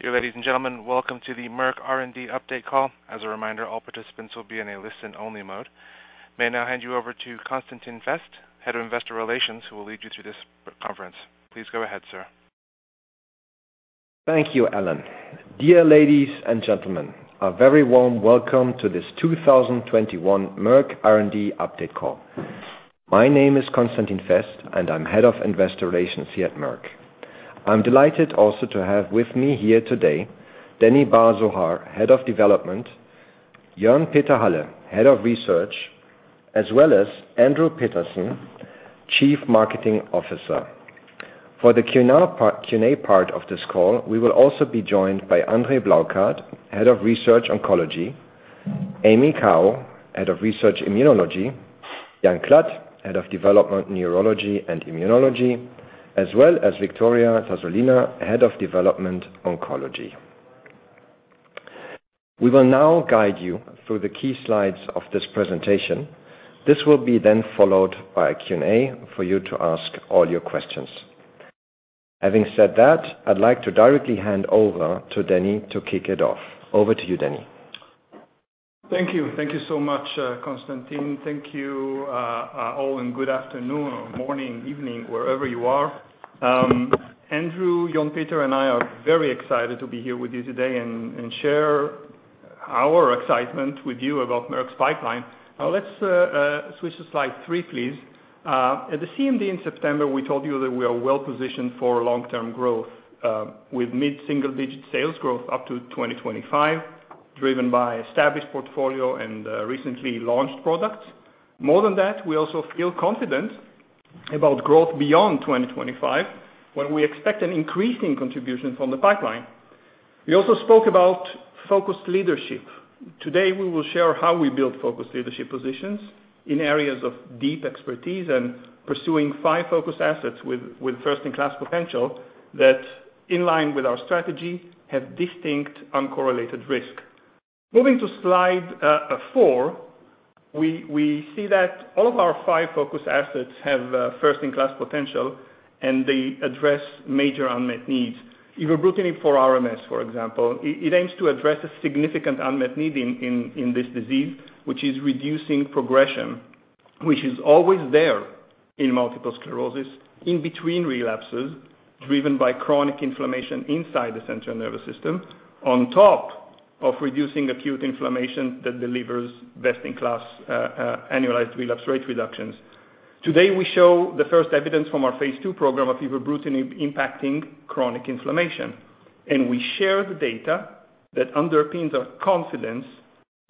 Dear ladies and gentlemen, welcome to the Merck R&D update call. As a reminder, all participants will be in a listen-only mode. May I now hand you over to Constantin Fest, Head of Investor Relations, who will lead you through this conference. Please go ahead, sir. Thank you, Alan. Dear ladies and gentlemen, a very warm welcome to this 2021 Merck R&D update call. My name is Constantin Fest, and I'm Head of Investor Relations here at Merck. I'm delighted also to have with me here today, Danny Bar-Zohar, Head of Development, Jörn-Peter Halle, Head of Research, as well as Andree Peterson, Chief Marketing Officer. For the Q&A part of this call, we will also be joined by André Blaukat, Head of Research Oncology, Amy Kao, Head of Research Immunology, Jan Klatt, Head of Development Neurology and Immunology, as well as Victoria Zazulina, Head of Development Oncology. We will now guide you through the key slides of this presentation. This will be then followed by a Q&A for you to ask all your questions. Having said that, I'd like to directly hand over to Danny to kick it off. Over to you, Danny. Thank you. Thank you so much, Constantin. Thank you, all, and good afternoon or morning, evening, wherever you are. Andree, Jörn-Peter and I are very excited to be here with you today and share our excitement with you about Merck's pipeline. Now let's switch to slide three, please. At the CMD in September, we told you that we are well-positioned for long-term growth with mid-single-digit sales growth up to 2025, driven by established portfolio and recently launched products. More than that, we also feel confident about growth beyond 2025, when we expect an increasing contribution from the pipeline. We also spoke about focused leadership. Today, we will share how we build focused leadership positions in areas of deep expertise and pursuing five focused assets with first-in-class potential that, in line with our strategy, have distinct uncorrelated risk. Moving to slide four, we see that all of our five focus assets have first-in-class potential, and they address major unmet needs. Evobrutinib for RMS, for example, it aims to address a significant unmet need in this disease, which is reducing progression, which is always there in multiple sclerosis, in between relapses, driven by chronic inflammation inside the central nervous system, on top of reducing acute inflammation that delivers best-in-class annualized relapse rate reductions. Today, we show the first evidence from our Phase II program of evobrutinib impacting chronic inflammation, and we share the data that underpins our confidence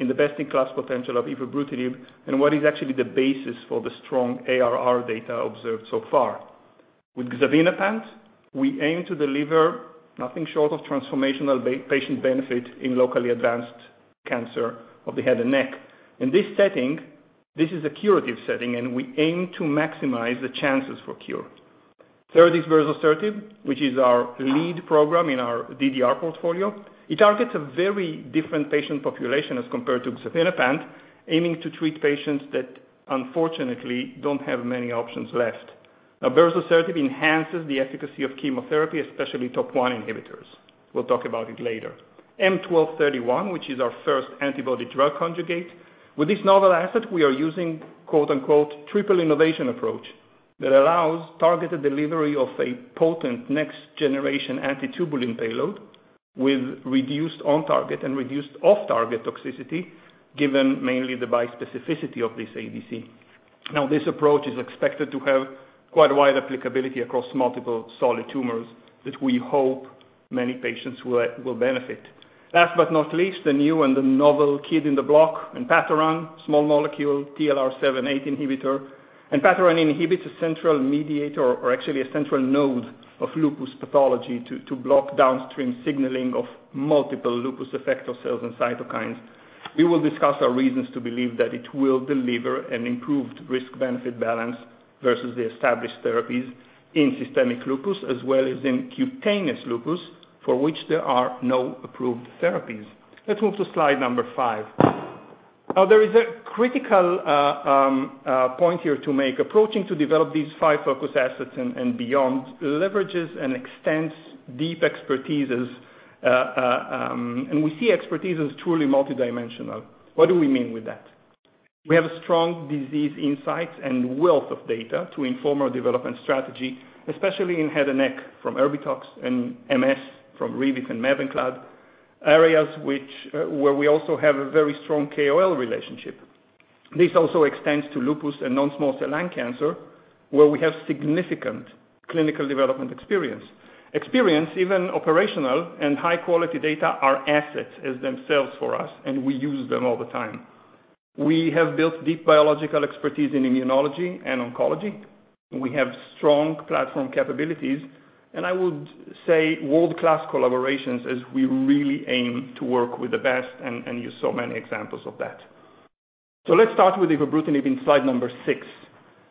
in the best-in-class potential of evobrutinib and what is actually the basis for the strong ARR data observed so far. With xevinapant, we aim to deliver nothing short of transformational patient benefit in locally advanced cancer of the head and neck. In this setting, this is a curative setting, and we aim to maximize the chances for cure. Third is berzosertib, which is our lead program in our DDR portfolio. It targets a very different patient population as compared to xevinapant, aiming to treat patients that unfortunately don't have many options left. Now, berzosertib enhances the efficacy of chemotherapy, especially topoisomerase I inhibitors. We'll talk about it later. M1231, which is our first antibody-drug conjugate. With this novel asset, we are using quote-unquote triple innovation approach that allows targeted delivery of a potent next-generation antitubulin payload with reduced on-target and reduced off-target toxicity, given mainly the bispecificity of this ADC. Now, this approach is expected to have quite a wide applicability across multiple solid tumors that we hope many patients will benefit. \ Last but not least, the new and novel kid on the block, enpatoran, small molecule TLR7/8 inhibitor. Enpatoran inhibits a central mediator or actually a central node of lupus pathology to block downstream signaling of multiple lupus effector cells and cytokines. We will discuss our reasons to believe that it will deliver an improved risk-benefit balance versus the established therapies in systemic lupus, as well as in cutaneous lupus, for which there are no approved therapies. Let's move to slide 5. Now, there is a critical point here to make. Approaching to develop these five focus assets and beyond leverages and extends deep expertises, and we see expertise as truly multidimensional. What do we mean with that? We have a strong disease insight and wealth of data to inform our development strategy, especially in head and neck from Erbitux and MS from Rebif and Mavenclad, areas which where we also have a very strong KOL relationship. This also extends to lupus and non-small cell lung cancer, where we have significant clinical development experience. Experience, even operational and high-quality data are assets as themselves for us, and we use them all the time. We have built deep biological expertise in immunology and oncology. We have strong platform capabilities, and I would say world-class collaborations as we really aim to work with the best, and you saw many examples of that. Let's start with evobrutinib in slide 6.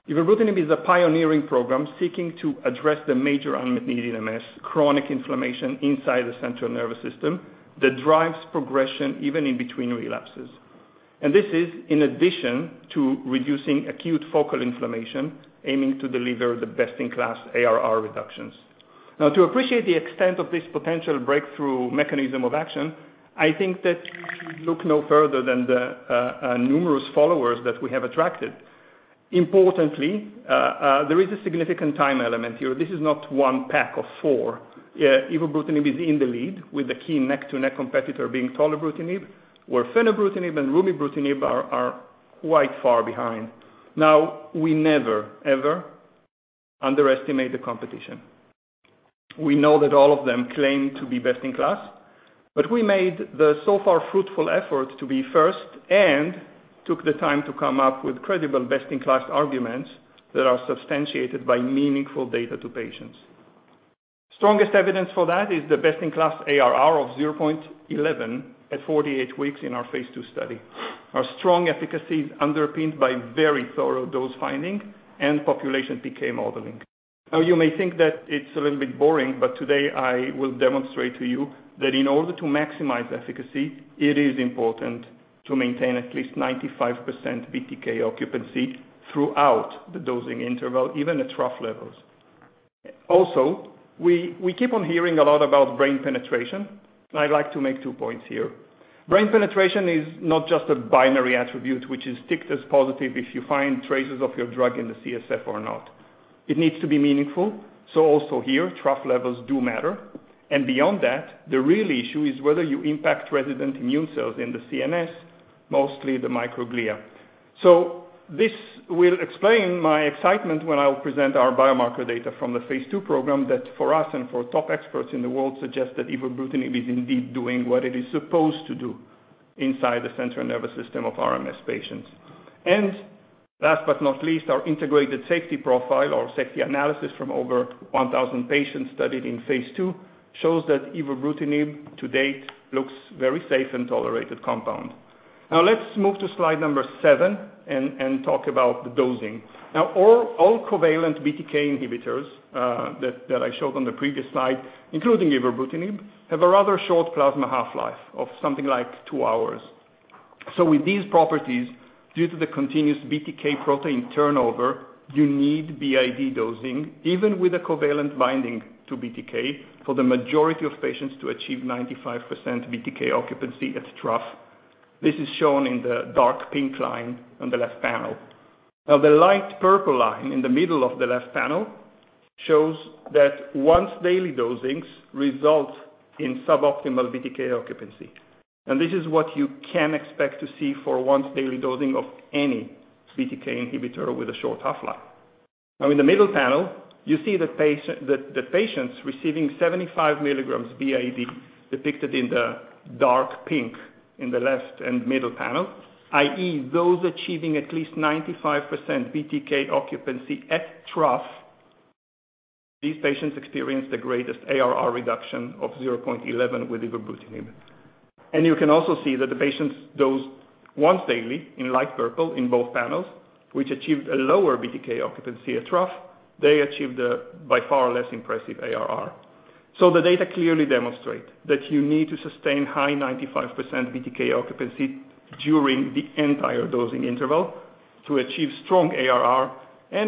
Evobrutinib is a pioneering program seeking to address the major unmet need in MS, chronic inflammation inside the central nervous system that drives progression even in between relapses. This is in addition to reducing acute focal inflammation, aiming to deliver the best-in-class ARR reductions. Now, to appreciate the extent of this potential breakthrough mechanism of action, I think that you should look no further than the numerous followers that we have attracted. Importantly, there is a significant time element here. This is not one pack of four. Evobrutinib is in the lead with the key neck-and-neck competitor being tolebrutinib, where fenebrutinib and remibrutinib are quite far behind. Now, we never, ever underestimate the competition. We know that all of them claim to be best-in-class, but we made the so far fruitful effort to be first and took the time to come up with credible best-in-class arguments that are substantiated by meaningful data to patients. Strongest evidence for that is the best-in-class ARR of 0.11 at 48 weeks in our Phase II study. Our strong efficacy is underpinned by very thorough dose finding and population PK modeling. Now, you may think that it's a little bit boring, but today I will demonstrate to you that in order to maximize efficacy, it is important to maintain at least 95% BTK occupancy throughout the dosing interval, even at trough levels. Also, we keep on hearing a lot about brain penetration, and I'd like to make two points here. Brain penetration is not just a binary attribute which is ticked as positive if you find traces of your drug in the CSF or not. It needs to be meaningful, so also here, trough levels do matter. Beyond that, the real issue is whether you impact resident immune cells in the CNS, mostly the microglia. This will explain my excitement when I will present our biomarker data from the Phase II program that for us and for top experts in the world suggest that evobrutinib is indeed doing what it is supposed to do inside the central nervous system of RMS patients. Last but not least, our integrated safety profile or safety analysis from over 1,000 patients studied in Phase II shows that evobrutinib to date looks very safe and tolerated compound. Now, let's move to slide number 7 and talk about the dosing. Now, all covalent BTK inhibitors that I showed on the previous slide, including ibrutinib, have a rather short plasma half-life of something like two hours. With these properties, due to the continuous BTK protein turnover, you need BID dosing, even with a covalent binding to BTK, for the majority of patients to achieve 95% BTK occupancy at trough. This is shown in the dark pink line on the left panel. The light purple line in the middle of the left panel shows that once-daily dosings result in suboptimal BTK occupancy. This is what you can expect to see for once-daily dosing of any BTK inhibitor with a short half-life. In the middle panel, you see the patien. The patients receiving 75 milligrams BID depicted in the dark pink in the left and middle panel, i.e., those achieving at least 95% BTK occupancy at trough. These patients experience the greatest ARR reduction of 0.11 with ibrutinib. You can also see that the patients dosed once daily in light purple in both panels, which achieved a lower BTK occupancy at trough, they achieved a by far less impressive ARR. The data clearly demonstrate that you need to sustain high 95% BTK occupancy during the entire dosing interval to achieve strong ARR.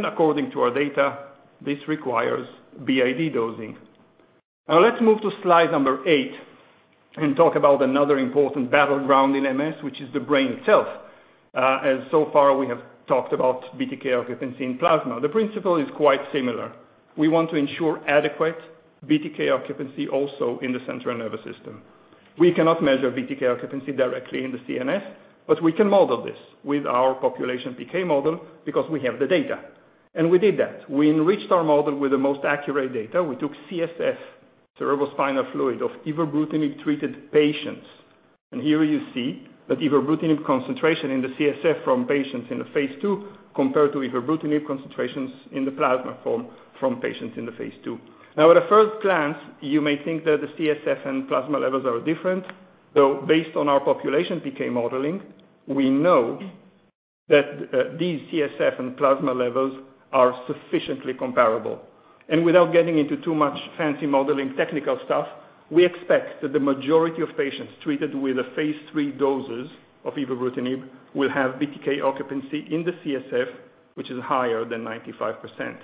According to our data, this requires BID dosing. Now let's move to slide 8 and talk about another important battleground in MS, which is the brain itself, as so far we have talked about BTK occupancy in plasma. The principle is quite similar. We want to ensure adequate BTK occupancy also in the central nervous system. We cannot measure BTK occupancy directly in the CNS, but we can model this with our population PK model because we have the data. We did that. We enriched our model with the most accurate data. We took CSF, cerebrospinal fluid, of ibrutinib-treated patients. Here you see that ibrutinib concentration in the CSF from patients in Phase II compared to ibrutinib concentrations in the plasma from patients in Phase II. Now at a first glance, you may think that the CSF and plasma levels are different. Though based on our population PK modeling, we know that these CSF and plasma levels are sufficiently comparable. Without getting into too much fancy modeling technical stuff, we expect that the majority of patients treated with Phase III doses of evobrutinib will have BTK occupancy in the CSF, which is higher than 95%.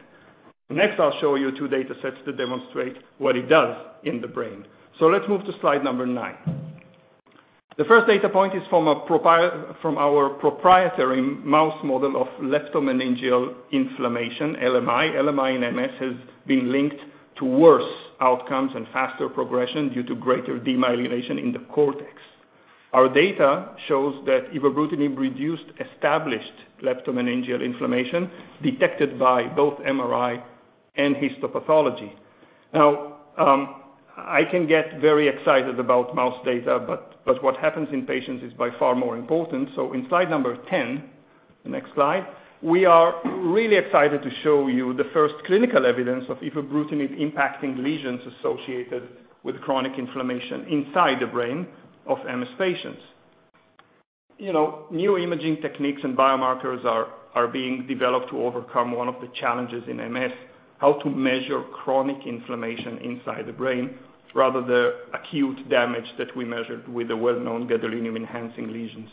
Next, I'll show you two data sets that demonstrate what it does in the brain. Let's move to slide 9. The first data point is from our proprietary mouse model of leptomeningeal inflammation, LMI. LMI and MS has been linked to worse outcomes and faster progression due to greater demyelination in the cortex. Our data shows that evobrutinib reduced established leptomeningeal inflammation detected by both MRI and histopathology. Now, I can get very excited about mouse data, but what happens in patients is by far more important. In slide number 10, the next slide, we are really excited to show you the first clinical evidence of evobrutinib impacting lesions associated with chronic inflammation inside the brain of MS patients. You know, new imaging techniques and biomarkers are being developed to overcome one of the challenges in MS, how to measure chronic inflammation inside the brain rather than the acute damage that we measured with the well-known gadolinium-enhancing lesions.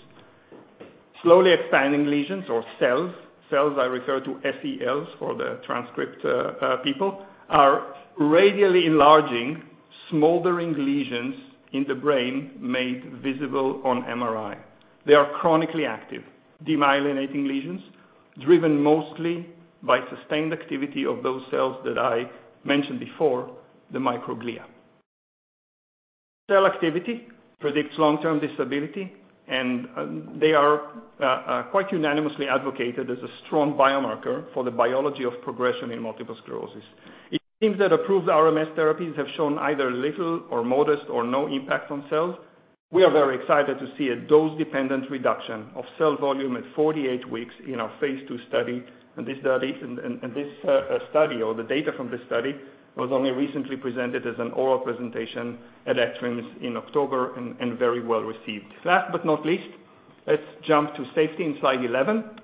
Slowly expanding lesions or SELs are radially enlarging, smoldering lesions in the brain made visible on MRI. They are chronically active demyelinating lesions driven mostly by sustained activity of those cells that I mentioned before, the microglia. SEL activity predicts long-term disability, and they are quite unanimously advocated as a strong biomarker for the biology of progression in multiple sclerosis. It seems that approved RMS therapies have shown either little or modest or no impact on SELs. We are very excited to see a dose-dependent reduction of SEL volume at 48 weeks in our Phase II study. This study or the data from this study was only recently presented as an oral presentation at ECTRIMS in October and very well received. Last but not least, let's jump to safety in slide 11.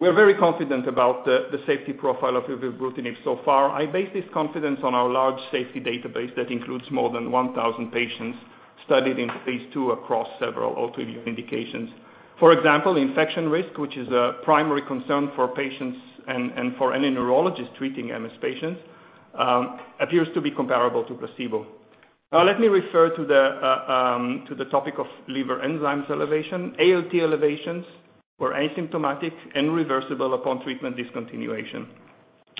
We're very confident about the safety profile of evobrutinib so far. I base this confidence on our large safety database that includes more than 1,000 patients studied in Phase II across several autoimmune indications. For example, infection risk, which is a primary concern for patients and for any neurologist treating MS patients, appears to be comparable to placebo. Now, let me refer to the topic of liver enzymes elevation. ALT elevations were asymptomatic and reversible upon treatment discontinuation.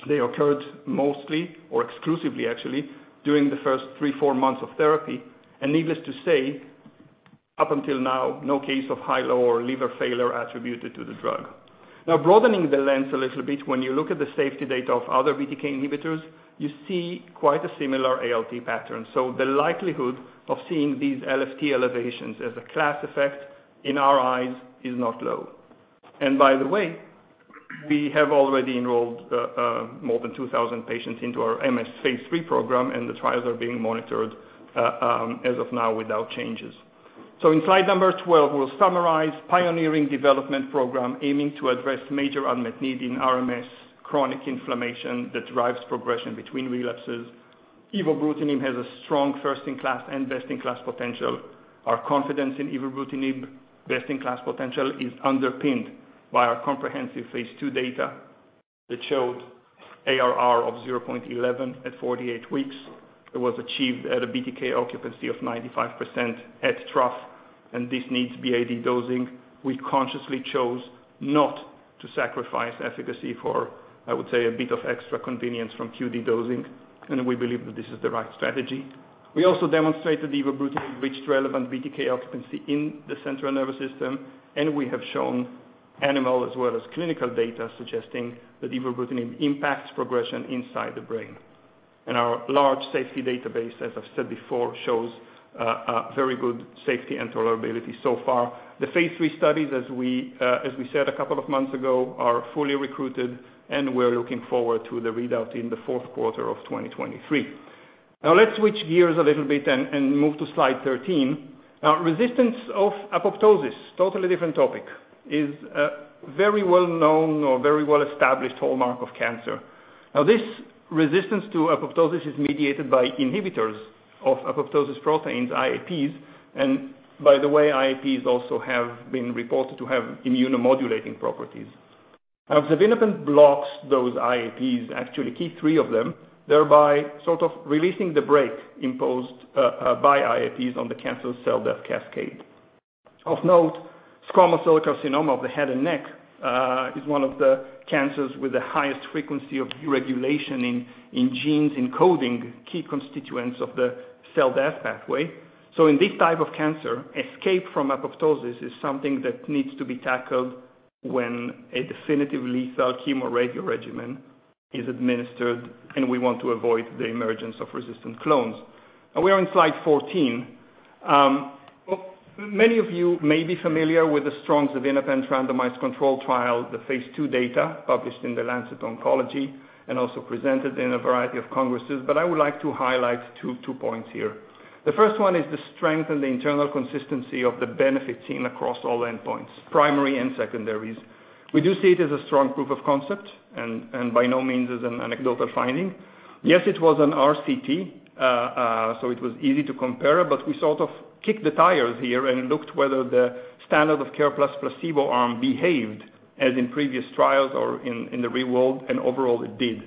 They occurred mostly or exclusively actually during the first 3 or 4 months of therapy. Needless to say, up until now, no case of Hy's Law or liver failure attributed to the drug. Broadening the lens a little bit, when you look at the safety data of other BTK inhibitors, you see quite a similar ALT pattern. The likelihood of seeing these LFT elevations as a class effect in our eyes is not low. By the way, we have already enrolled more than 2,000 patients into our Phase III program, and the trials are being monitored as of now without changes. In slide number 12, we'll summarize pioneering development program aiming to address major unmet need in RMS chronic inflammation that drives progression between relapses. Evobrutinib has a strong first-in-class and best-in-class potential. Our confidence in evobrutinib best-in-class potential is underpinned by our comprehensive Phase II data that showed ARR of 0.11 at 48 weeks. It was achieved at a BTK occupancy of 95% at trough and this needs BID dosing. We consciously chose not to sacrifice efficacy for, I would say, a bit of extra convenience from QD dosing, and we believe that this is the right strategy. We also demonstrated evobrutinib reached relevant BTK occupancy in the central nervous system, and we have shown animal as well as clinical data suggesting that evobrutinib impacts progression inside the brain. Our large safety database, as I've said before, shows very good safety and tolerability so far. Phase III studies, as we said a couple of months ago, are fully recruited, and we're looking forward to the readout in the fourth quarter of 2023. Now let's switch gears a little bit and move to slide 13. Resistance to apoptosis, totally different topic, is a very well-known or very well-established hallmark of cancer. Now this resistance to apoptosis is mediated by inhibitors of apoptosis proteins, IAPs. By the way, IAPs also have been reported to have immunomodulating properties. Now xevinapant blocks those IAPs, actually key three of them, thereby sort of releasing the brake imposed by IAPs on the cancer cell death cascade. Of note, squamous cell carcinoma of the head and neck is one of the cancers with the highest frequency of deregulation in genes encoding key constituents of the cell death pathway. In this type of cancer, escape from apoptosis is something that needs to be tackled when a definitive lethal chemo radio regimen is administered, and we want to avoid the emergence of resistant clones. Now we are on slide 14. Many of you may be familiar with the strong xevinapant randomized controlled trial, the Phase II data published in The Lancet Oncology, and also presented in a variety of congresses, but I would like to highlight two points here. The first one is the strength and the internal consistency of the benefit seen across all endpoints, primary and secondaries. We do see it as a strong proof of concept and by no means as an anecdotal finding. Yes, it was an RCT, so it was easy to compare, but we sort of kicked the tires here and looked whether the standard of care plus placebo arm behaved as in previous trials or in the real world, and overall, it did.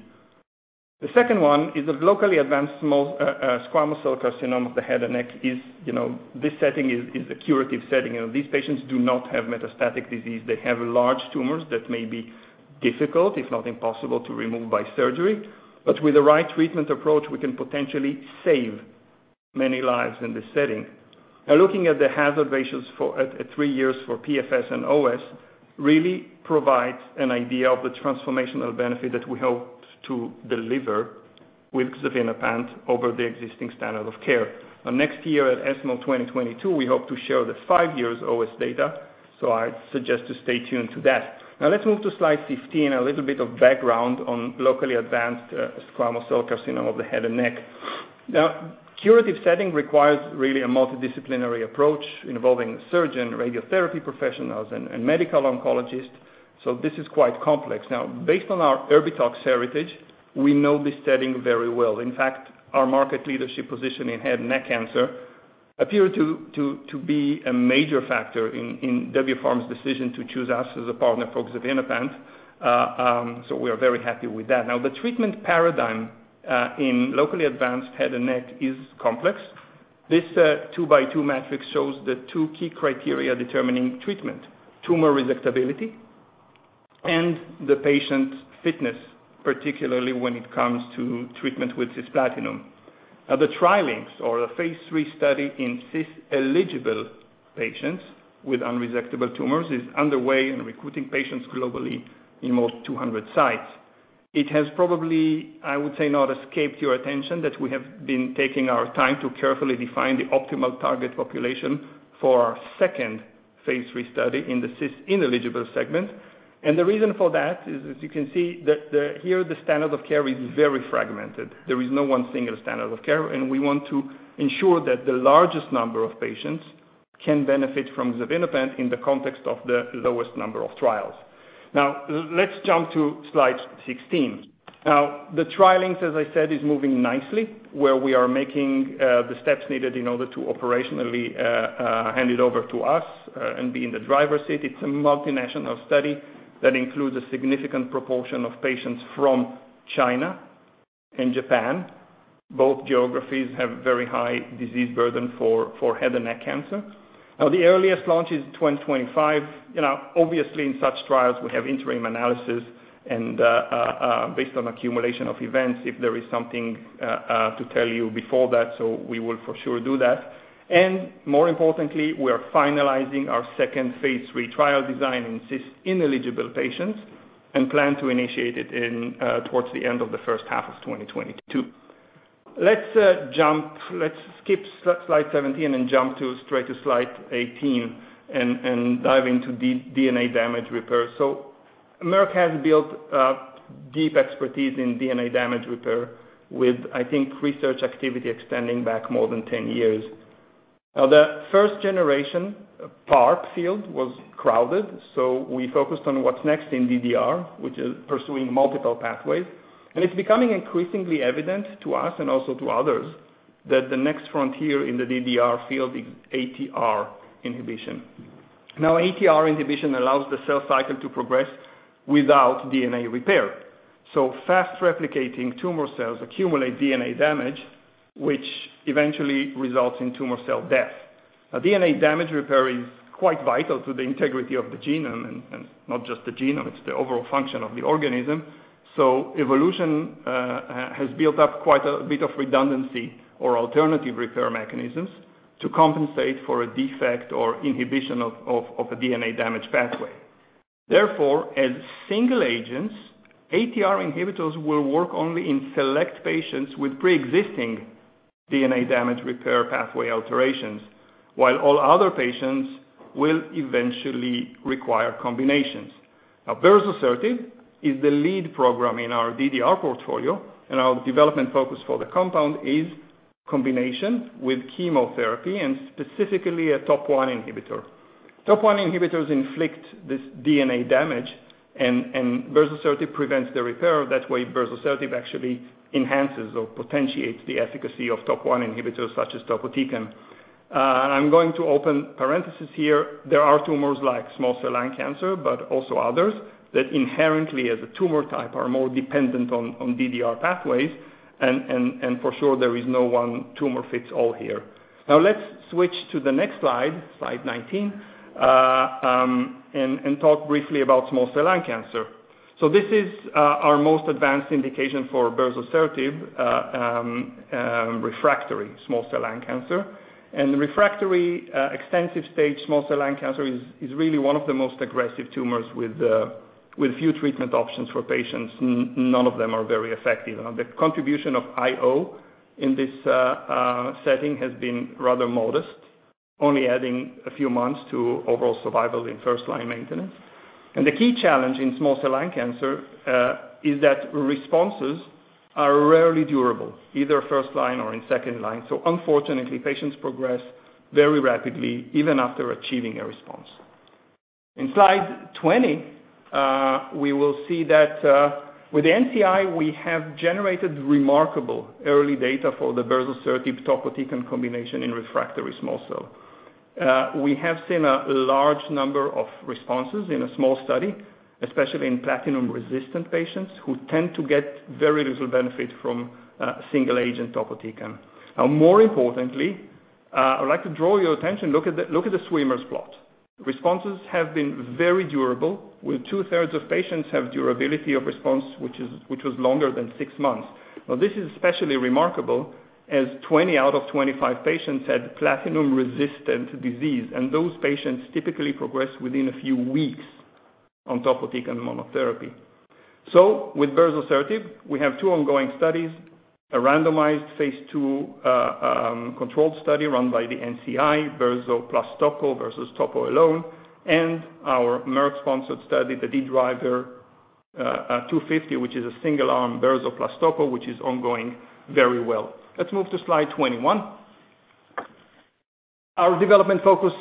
The second one is a locally advanced squamous cell carcinoma of the head and neck. You know, this setting is a curative setting. You know, these patients do not have metastatic disease. They have large tumors that may be difficult, if not impossible, to remove by surgery. With the right treatment approach, we can potentially save many lives in this setting. Now looking at the hazard ratios for at three years for PFS and OS really provides an idea of the transformational benefit that we hope to deliver with savolagent over the existing standard of care. Now next year at ESMO 2022, we hope to share the five years OS data. I suggest to stay tuned to that. Now let's move to slide 15, a little bit of background on locally advanced squamous cell carcinoma of the head and neck. Now, curative setting requires really a multidisciplinary approach involving surgeon, radiotherapy professionals and medical oncologist. This is quite complex. Now, based on our Erbitux heritage, we know this setting very well. In fact, our market leadership position in head and neck cancer appeared to be a major factor in Debiopharm's decision to choose us as a partner for xevinapant, so we are very happy with that. Now, the treatment paradigm in locally advanced head and neck is complex. This two-by-two matrix shows the two key criteria determining treatment, tumor resectability and the patient's fitness, particularly when it comes to treatment with cisplatin. Now, the TrilynX or Phase III study in cisplatin-eligible patients with unresectable tumors is underway and recruiting patients globally in more than 200 sites. It has probably, I would say, not escaped your attention that we have been taking our time to carefully define the optimal target population for our Phase III study in the cisplatin-ineligible segment. The reason for that is, as you can see, the standard of care is very fragmented. There is no one single standard of care, and we want to ensure that the largest number of patients can benefit from xevinapant in the context of the lowest number of trials. Now, let's jump to slide 16. Now, the TrilynX, as I said, is moving nicely where we are making the steps needed in order to operationally hand it over to us and be in the driver's seat. It's a multinational study that includes a significant proportion of patients from China and Japan. Both geographies have very high disease burden for head and neck cancer. Now, the earliest launch is 2025. You know, obviously in such trials we have interim analysis and, based on accumulation of events, if there is something to tell you before that, so we will for sure do that. More importantly, we are finalizing our Phase III trial design in cisplatin-ineligible patients, and plan to initiate it towards the end of the first half of 2022. Let's jump. Let's skip slide 17 and jump straight to slide 18 and dive into DNA damage repair. Merck has built up deep expertise in DNA damage repair with, I think, research activity extending back more than 10 years. Now, the first generation, PARP field, was crowded, so we focused on what's next in DDR, which is pursuing multiple pathways. It's becoming increasingly evident to us and also to others that the next frontier in the DDR field is ATR inhibition. Now, ATR inhibition allows the cell cycle to progress without DNA repair. Fast-replicating tumor cells accumulate DNA damage, which eventually results in tumor cell death. DNA damage repair is quite vital to the integrity of the genome and not just the genome, it's the overall function of the organism. Evolution has built up quite a bit of redundancy or alternative repair mechanisms to compensate for a defect or inhibition of a DNA damage pathway. Therefore, as single agents, ATR inhibitors will work only in select patients with pre-existing DNA damage repair pathway alterations, while all other patients will eventually require combinations. Now, berzosertib is the lead program in our DDR portfolio, and our development focus for the compound is combination with chemotherapy and specifically a topo I inhibitor. Topo I inhibitors inflict this DNA damage and berzosertib prevents the repair. That way, berzosertib actually enhances or potentiates the efficacy of topo I inhibitors such as topotecan. And I'm going to open parenthesis here. There are tumors like small cell lung cancer, but also others that inherently, as a tumor type, are more dependent on DDR pathways and for sure there is no one tumor fits all here. Now let's switch to the next slide 19, and talk briefly about small cell lung cancer. This is our most advanced indication for berzosertib, refractory small cell lung cancer. Refractory extensive stage small cell lung cancer is really one of the most aggressive tumors with few treatment options for patients. None of them are very effective. Now, the contribution of IO in this setting has been rather modest, only adding a few months to overall survival in first-line maintenance. The key challenge in small cell lung cancer is that responses are rarely durable, either first line or in second line. Unfortunately, patients progress very rapidly even after achieving a response. In slide 20, we will see that with NCI, we have generated remarkable early data for the berzosertib topotecan combination in refractory small cell. We have seen a large number of responses in a small study, especially in platinum-resistant patients who tend to get very little benefit from single agent topotecan. Now more importantly, I'd like to draw your attention, look at the swimmer plots. Responses have been very durable, with two-thirds of patients have durability of response, which was longer than six months. Now, this is especially remarkable as 20 out of 25 patients had platinum-resistant disease, and those patients typically progress within a few weeks on topotecan monotherapy. With berzosertib, we have two ongoing studies, a randomized Phase II controlled study run by the NCI, berzosertib plus topotecan versus topotecan alone, and our Merck-sponsored study, the DDRiver 250, which is a single-arm berzosertib plus topotecan, which is ongoing very well. Let's move to slide 21. Our development focus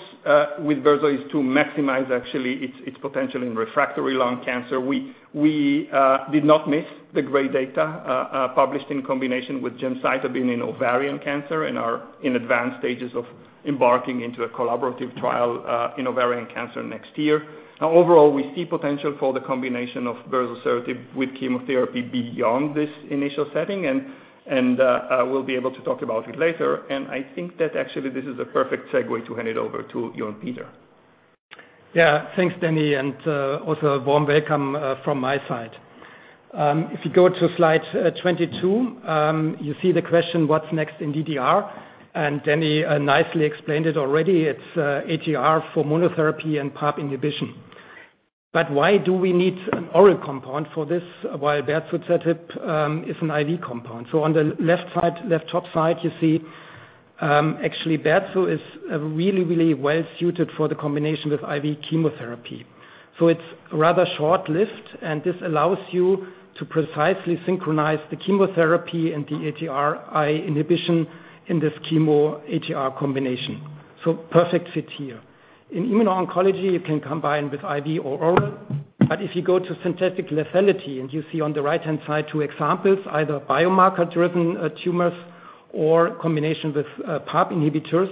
with berzosertib is to maximize actually its potential in refractory lung cancer. We did not miss the great data published in combination with Gemcitabine in ovarian cancer and are in advanced stages of embarking into a collaborative trial in ovarian cancer next year. Now, overall, we see potential for the combination of berzosertib with chemotherapy beyond this initial setting, and we'll be able to talk about it later, and I think that actually this is a perfect segue to hand it over to you and Jörn-Peter. Yeah. Thanks, Danny, and also a warm welcome from my side. If you go to slide 22, you see the question, what's next in DDR? Danny nicely explained it already. It's ATR for monotherapy and PARP inhibition. Why do we need an oral compound for this while berzosertib is an IV compound? On the left side, left top side, you see actually berzosertib is really well-suited for the combination with IV chemotherapy. It's rather short-lived, and this allows you to precisely synchronize the chemotherapy and the ATR inhibition in this chemo ATR combination. Perfect fit here. In immuno-oncology, you can combine with IV or oral, but if you go to synthetic lethality, and you see on the right-hand side two examples, either biomarker-driven tumors or combination with PARP inhibitors,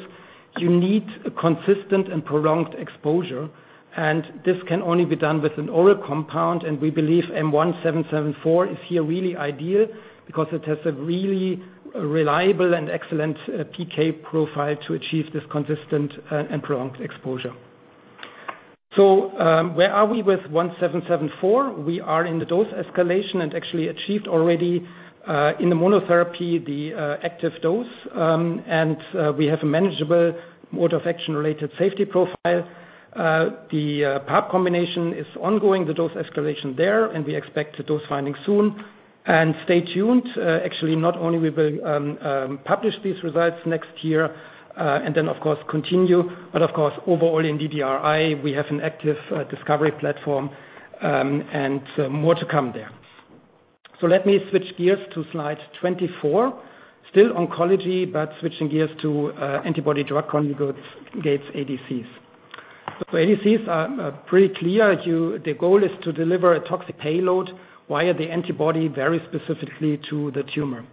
you need a consistent and prolonged exposure, and this can only be done with an oral compound. We believe M1774 is here really ideal because it has a really reliable and excellent PK profile to achieve this consistent and prolonged exposure. Where are we with M1774? We are in the dose escalation and actually achieved already in the monotherapy the active dose. We have a manageable mode-of-action-related safety profile. The PARP combination is ongoing, the dose escalation there, and we expect the dose finding soon. Stay tuned. Actually, not only will we publish these results next year and then of course continue, but of course, overall in DDRI, we have an active discovery platform, and more to come there. Let me switch gears to slide 24. Still oncology, but switching gears to antibody drug conjugates, ADCs. ADCs are pretty clear. The goal is to deliver a toxic payload via the antibody very specifically to the tumor.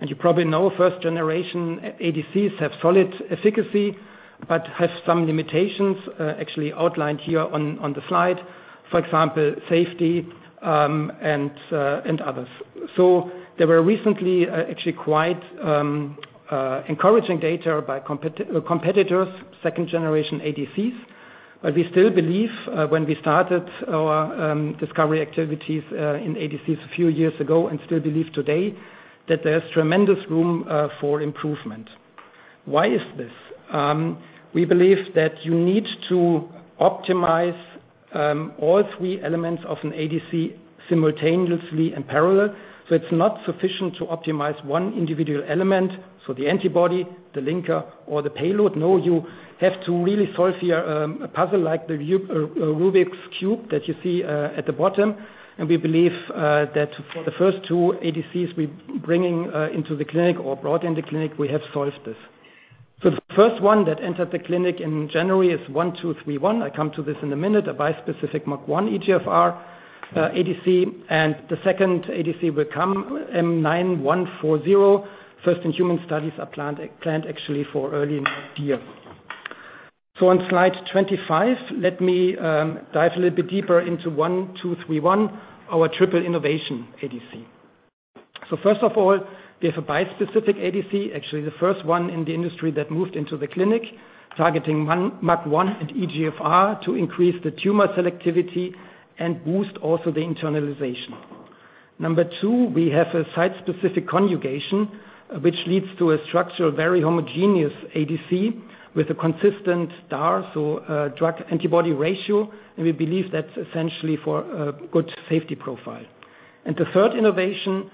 You probably know first generation ADCs have solid efficacy but have some limitations, actually outlined here on the slide, for example, safety, and others. There were recently actually quite encouraging data by competitors, second generation ADCs. We still believe, when we started our discovery activities in ADCs a few years ago and still believe today that there's tremendous room for improvement. Why is this? We believe that you need to optimize all three elements of an ADC simultaneously in parallel, so it's not sufficient to optimize one individual element, so the antibody, the linker or the payload. No, you have to really solve here a puzzle like the Rubik's Cube that you see at the bottom. We believe that for the first two ADCs we bringing into the clinic or brought into clinic, we have solved this. So the first one that entered the clinic in January is M1231. I come to this in a minute. A bispecific MUC1 EGFR ADC, and the second ADC will come M9140. First-in-human studies are planned actually for early next year. On slide 25, let me dive a little bit deeper into M1231, our triple innovation ADC. First of all, we have a bispecific ADC, actually the first one in the industry that moved into the clinic, targeting MUC1 and EGFR to increase the tumor selectivity and boost also the internalization. Number two, we have a site-specific conjugation, which leads to a structurally very homogeneous ADC with a consistent DAR, drug antibody ratio, and we believe that's essential for a good safety profile. The third innovation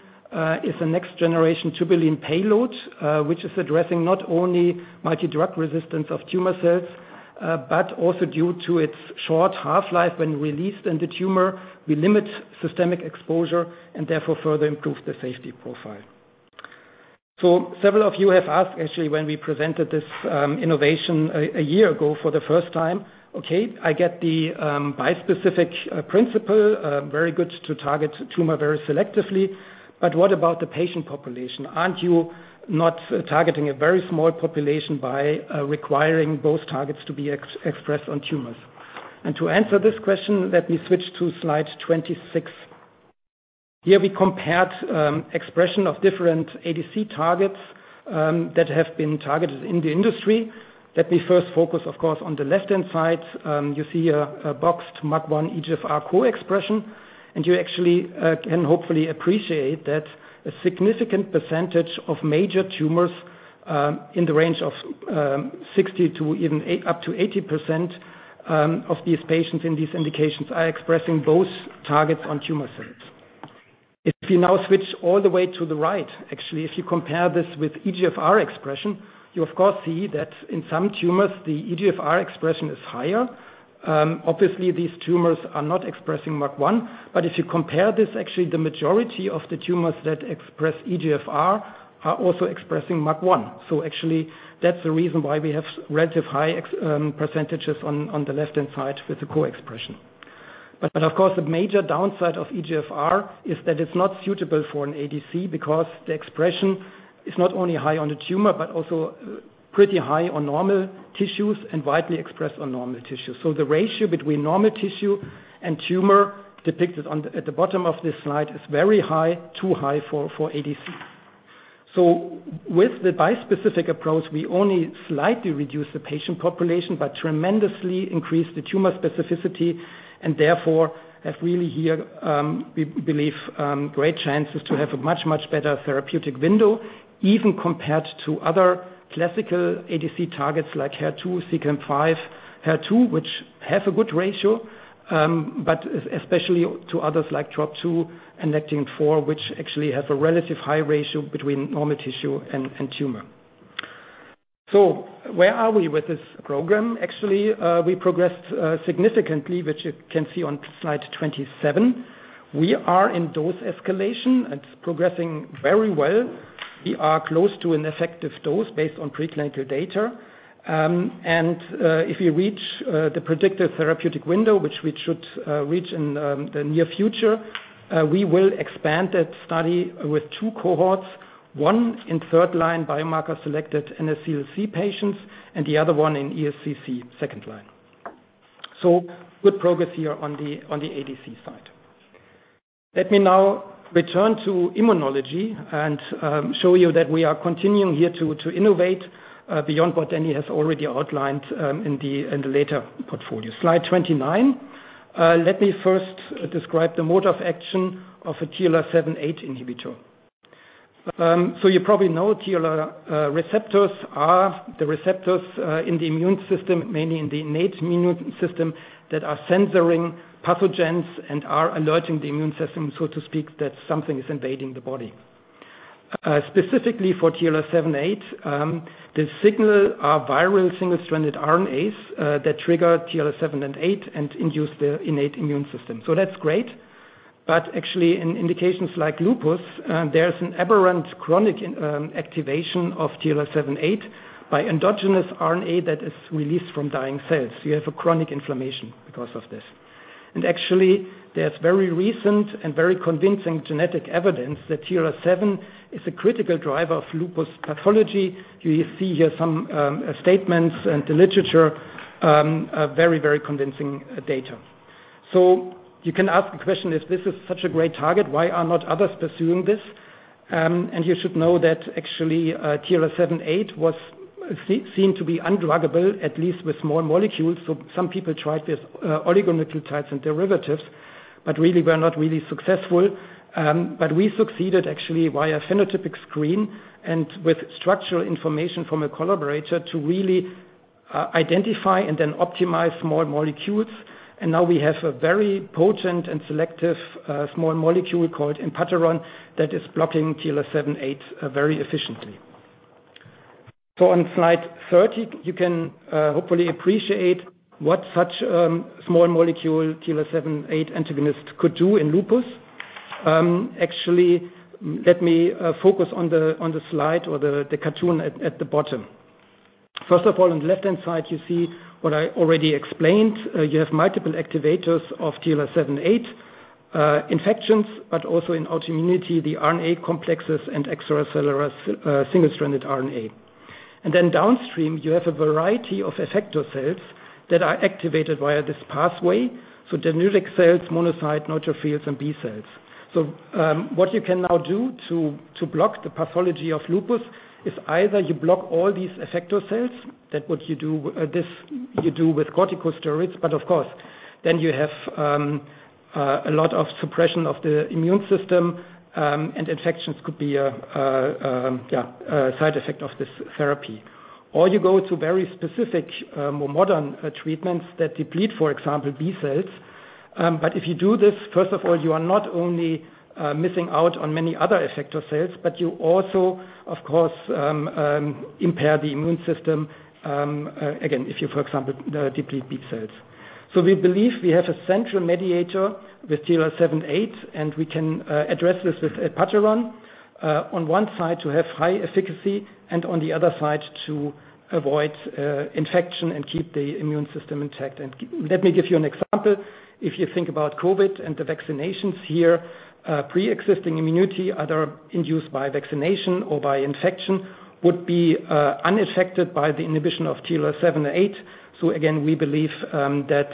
is a next-generation tubulin payload, which is addressing not only multidrug resistance of tumor cells, but also due to its short half-life when released in the tumor, we limit systemic exposure and therefore further improve the safety profile. Several of you have asked actually when we presented this innovation a year ago for the first time. Okay, I get the bispecific principle very good to target tumor very selectively, but what about the patient population? Aren't you not targeting a very small population by requiring both targets to be expressed on tumors? To answer this question, let me switch to slide 26. Here we compared expression of different ADC targets that have been targeted in the industry. Let me first focus, of course, on the left-hand side. You see a boxed MUC1 EGFR co-expression, and you actually can hopefully appreciate that a significant percentage of major tumors in the range of 60%-80% of these patients in these indications are expressing both targets on tumor cells. If you now switch all the way to the right, actually, if you compare this with EGFR expression, you of course see that in some tumors, the EGFR expression is higher. Obviously, these tumors are not expressing MUC1. If you compare this, actually, the majority of the tumors that express EGFR are also expressing MUC1. Actually, that's the reason why we have relatively high percentages on the left-hand side with the co-expression. Of course, the major downside of EGFR is that it's not suitable for an ADC because the expression is not only high on the tumor, but also pretty high on normal tissues and widely expressed on normal tissues. The ratio between normal tissue and tumor depicted at the bottom of this slide is very high, too high for ADC. With the bispecific approach, we only slightly reduce the patient population, but tremendously increase the tumor specificity and therefore have really here, we believe, great chances to have a much, much better therapeutic window, even compared to other classical ADC targets like HER2, c-Met, HER2, which have a good ratio, but especially to others like Trop-2 and Nectin-4, which actually have a relatively high ratio between normal tissue and tumor. Where are we with this program? Actually, we progressed significantly, which you can see on slide 27. We are in dose escalation and it's progressing very well. We are close to an effective dose based on preclinical data. If we reach the predicted therapeutic window, which we should reach in the near future, we will expand that study with two cohorts, one in third-line biomarker-selected NSCLC patients, and the other one in ESCC second-line. Good progress here on the ADC side. Let me now return to immunology and show you that we are continuing here to innovate beyond what Denny has already outlined in the later portfolio. Slide 29. Let me first describe the mode of action of a TLR7/8 inhibitor. You probably know TLR receptors are the receptors in the immune system, mainly in the innate immune system, that are sensing pathogens and are alerting the immune system, so to speak, that something is invading the body. Specifically for TLR7/8, the signal are viral single-stranded RNAs that trigger TLR seven and eight and induce the innate immune system. That's great. But actually in indications like lupus, there's an aberrant chronic activation of TLR7/8 by endogenous RNA that is released from dying cells. You have a chronic inflammation because of this. Actually, there's very recent and very convincing genetic evidence that TLR7 is a critical driver of lupus pathology. You see here some statements and the literature are very, very convincing data. You can ask the question, if this is such a great target, why are not others pursuing this? You should know that actually, TLR7/8 was seemed to be undruggable, at least with small molecules. Some people tried this, oligonucleotides and derivatives, but really were not really successful. We succeeded actually via phenotypic screen and with structural information from a collaborator to really identify and then optimize small molecules. Now we have a very potent and selective small molecule called enpatoran that is blocking TLR7/8 very efficiently. On slide 30, you can hopefully appreciate what such small molecule TLR7/8 antagonist could do in lupus. Actually, let me focus on the slide or the cartoon at the bottom. First of all, on the left-hand side, you see what I already explained. You have multiple activators of TLR7/8, infections, but also in autoimmunity, the RNA complexes and extracellular single-stranded RNA. Then downstream, you have a variety of effector cells that are activated via this pathway. So dendritic cells, monocytes, neutrophils, and B cells. What you can now do to block the pathology of lupus is either you block all these effector cells. That's what you do. This you do with corticosteroids, but of course, then you have a lot of suppression of the immune system, and infections could be a side effect of this therapy. You go to very specific, more modern, treatments that deplete, for example, B cells. If you do this, first of all, you are not only missing out on many other effector cells, but you also of course impair the immune system, again, if you, for example, deplete B cells. We believe we have a central mediator with TLR7/8, and we can address this with enpatoran on one side to have high efficacy and on the other side to avoid infection and keep the immune system intact. Let me give you an example. If you think about COVID and the vaccinations here, preexisting immunity, either induced by vaccination or by infection, would be unaffected by the inhibition of TLR7/8. We believe that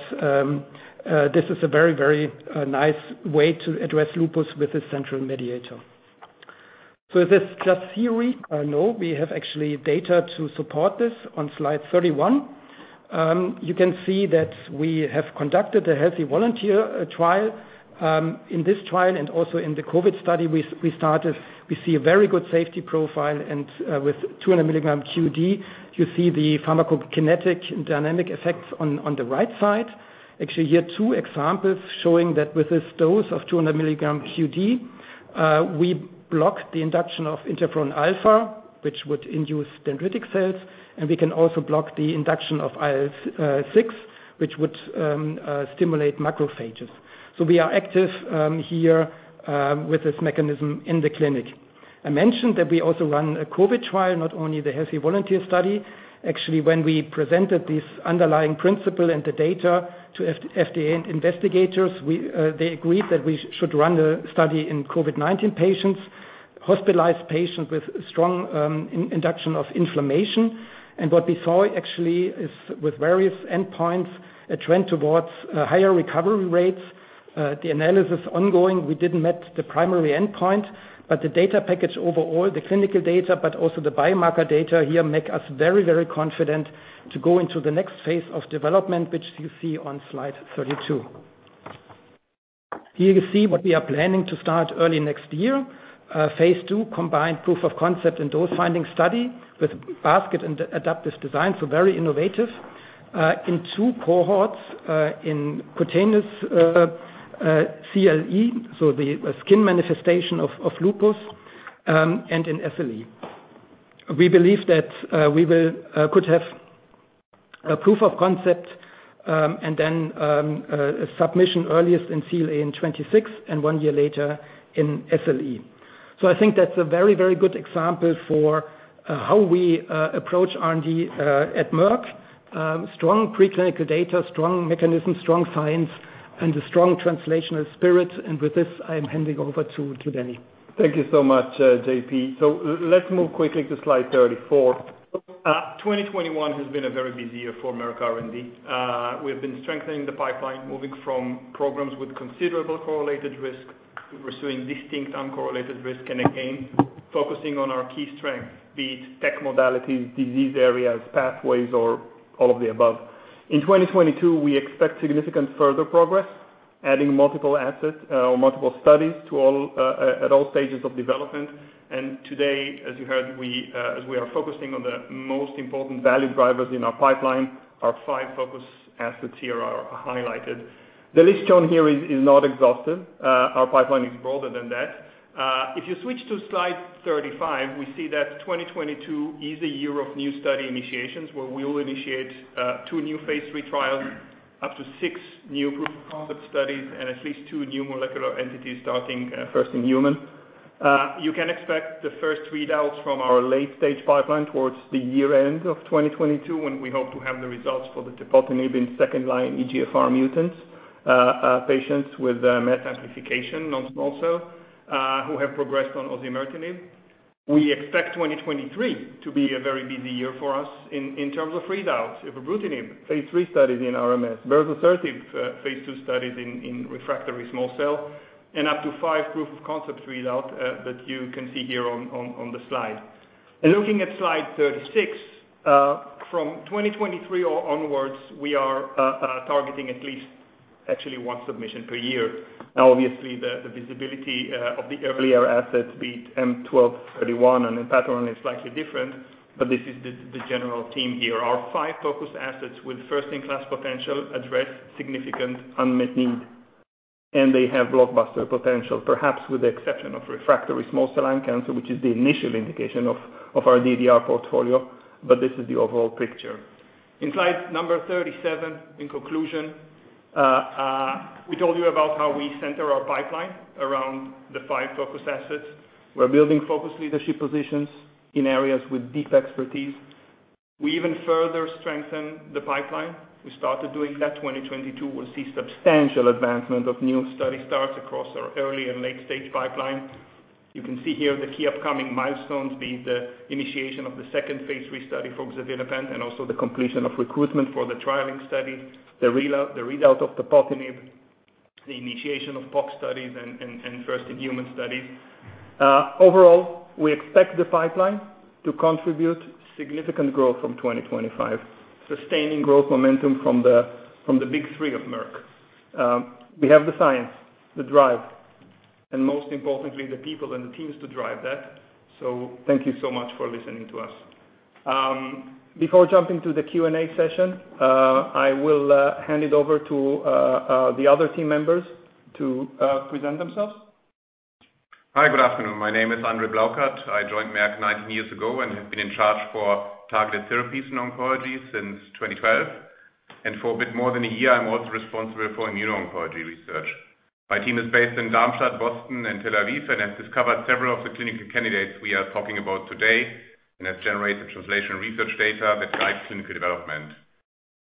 this is a very nice way to address lupus with this central mediator. Is this just theory? No. We have actual data to support this on slide 31. You can see that we have conducted a healthy volunteer trial. In this trial and also in the COVID study, we see a very good safety profile and with 200 milligrams QD, you see the pharmacokinetic and pharmacodynamic effects on the right side. Actually, here are two examples showing that with this dose of 200 milligrams QD, we block the induction of interferon alpha, which would induce dendritic cells, and we can also block the induction of IL-6, which would stimulate macrophages. We are active here with this mechanism in the clinic. I mentioned that we also run a COVID trial, not only the healthy volunteer study. Actually, when we presented this underlying principle and the data to FDA investigators, they agreed that we should run the study in COVID-19 patients, hospitalized patients with strong induction of inflammation. What we saw actually is with various endpoints, a trend towards higher recovery rates. The analysis is ongoing, we didn't meet the primary endpoint, but the data package overall, the clinical data, but also the biomarker data here make us very, very confident to go into the next phase of development, which you see on slide 32. Here you see what we are planning to start early next year. Phase II, combined proof of concept and dose-finding study with basket and adaptive design, so very innovative, in two cohorts, in cutaneous CLE, so the skin manifestation of lupus, and in SLE. We believe that we could have a proof of concept, and then submission earliest in CLE in 2026, and one year later in SLE. I think that's a very, very good example for how we approach R&D at Merck. Strong preclinical data, strong mechanisms, strong science, and a strong translational spirit. With this, I am handing over to Danny. Thank you so much, JP. Let's move quickly to slide 34. 2021 has been a very busy year for Merck R&D. We have been strengthening the pipeline, moving from programs with considerable correlated risk to pursuing distinct uncorrelated risk, and again, focusing on our key strength, be it tech modalities, disease areas, pathways, or all of the above. In 2022, we expect significant further progress, adding multiple assets or multiple studies to all at all stages of development. Today, as you heard, we as we are focusing on the most important value drivers in our pipeline, our five focus assets here are highlighted. The list shown here is not exhausted. Our pipeline is broader than that. If you switch to slide 35, we see that 2022 is a year of new study initiations, where we will initiate two Phase III trials, up to 6 new proof of concept studies, and at least 2 new molecular entities starting first in human. You can expect the first readouts from our late-stage pipeline towards the year-end of 2022, when we hope to have the results for the tepotinib in second-line EGFR mutants patients with MET amplification non-small cell lung cancer who have progressed on osimertinib. We expect 2023 to be a very busy year for us in terms of readouts. Phase III studies in RMS, berzosertib Phase II studies in refractory small cell lung cancer, and up to 5 proof of concept readouts that you can see here on the slide. Looking at slide 36, from 2023 onwards, we are targeting at least actually one submission per year. Now, obviously, the visibility of the earlier assets, be it M1231 and enpatoran is slightly different, but this is the general theme here. Our five focus assets with first in class potential address significant unmet need, and they have blockbuster potential, perhaps with the exception of refractory small cell lung cancer, which is the initial indication of our DDR portfolio, but this is the overall picture. In slide number 37, in conclusion, we told you about how we center our pipeline around the five focus assets. We're building focus leadership positions in areas with deep expertise. We even further strengthen the pipeline. We started doing that, 2022 will see substantial advancement of new study starts across our early and late-stage pipeline. You can see here the key upcoming milestones, be it the initiation of the Phase III study for xevinapant, and also the completion of recruitment for the TrilynX study, the re-readout of tepotinib, the initiation of PoC studies and first-in-human studies. Overall, we expect the pipeline to contribute significant growth from 2025, sustaining growth momentum from the big three of Merck. We have the science, the drive, and most importantly, the people and the teams to drive that. Thank you so much for listening to us. Before jumping to the Q&A session, I will hand it over to the other team members to present themselves. Hi, good afternoon. My name is Andree Blaukat. I joined Merck 19 years ago and have been in charge for targeted therapies in oncology since 2012. For a bit more than a year, I'm also responsible for neuro-oncology research. My team is based in Darmstadt, Boston, and Tel Aviv and has discovered several of the clinical candidates we are talking about today and has generated translational research data that guides clinical development.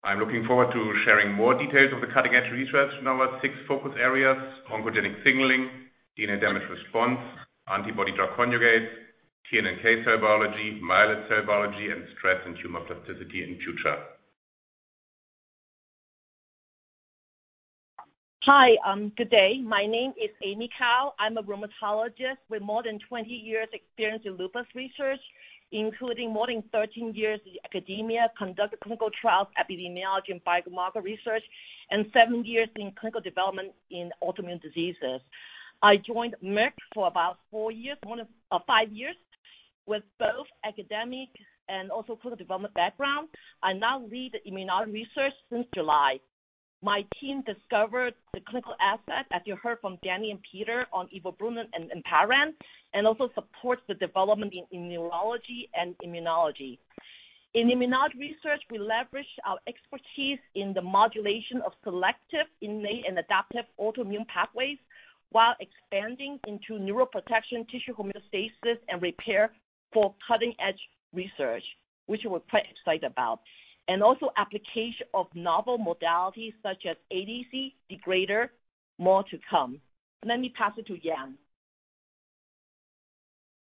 I'm looking forward to sharing more details of the cutting-edge research in our six focus areas, oncogenic signaling, DNA damage response, antibody-drug conjugates, T and NK cell biology, myeloid cell biology, and stress and tumor plasticity in future. Hi, today. My name is Amy Kao. I'm a rheumatologist with more than 20 years experience in lupus research, including more than 13 years in academia, conducted clinical trials, epidemiology and biomarker research, and seven years in clinical development in autoimmune diseases. I joined Merck for about four years, one of five years, with both academic and also clinical development background. I now lead immunology research since July. My team discovered the clinical assets, as you heard from Danny and Peter, on evobrutinib and enpatoran, and also supports the development in neurology and immunology. In immunology research, we leverage our expertise in the modulation of selective innate and adaptive autoimmune pathways while expanding into neuroprotection, tissue homeostasis, and repair for cutting-edge research, which we're quite excited about. Application of novel modalities such as ADC degrader. More to come. Let me pass it to Jan.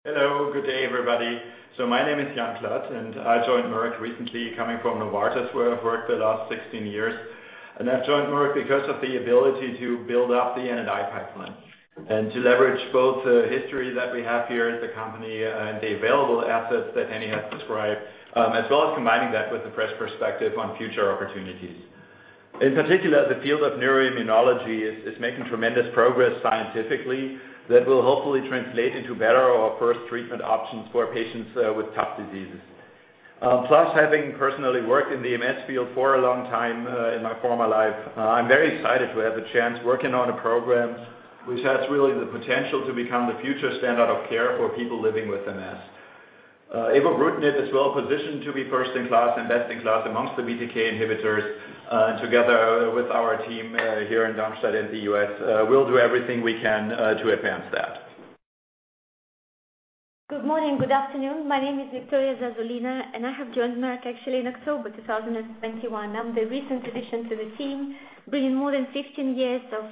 Hello, good day, everybody. My name is Jan Klatt, and I joined Merck recently coming from Novartis, where I've worked the last 16 years. I've joined Merck because of the ability to build up the N&I pipeline and to leverage both the history that we have here as a company and the available assets that Danny has described, as well as combining that with a fresh perspective on future opportunities. In particular, the field of neuroimmunology is making tremendous progress scientifically that will hopefully translate into better or first treatment options for patients with tough diseases. Plus, having personally worked in the MS field for a long time in my former life, I'm very excited to have a chance working on a program which has really the potential to become the future standard of care for people living with MS. Evobrutinibis well positioned to be first in class and best in class among the BTK inhibitors. Together with our team here in Darmstadt and the U.S., we'll do everything we can to advance that. Good morning, good afternoon. My name is Victoria Zazulina, and I have joined Merck actually in October 2021. I'm the recent addition to the team, bringing more than 15 years of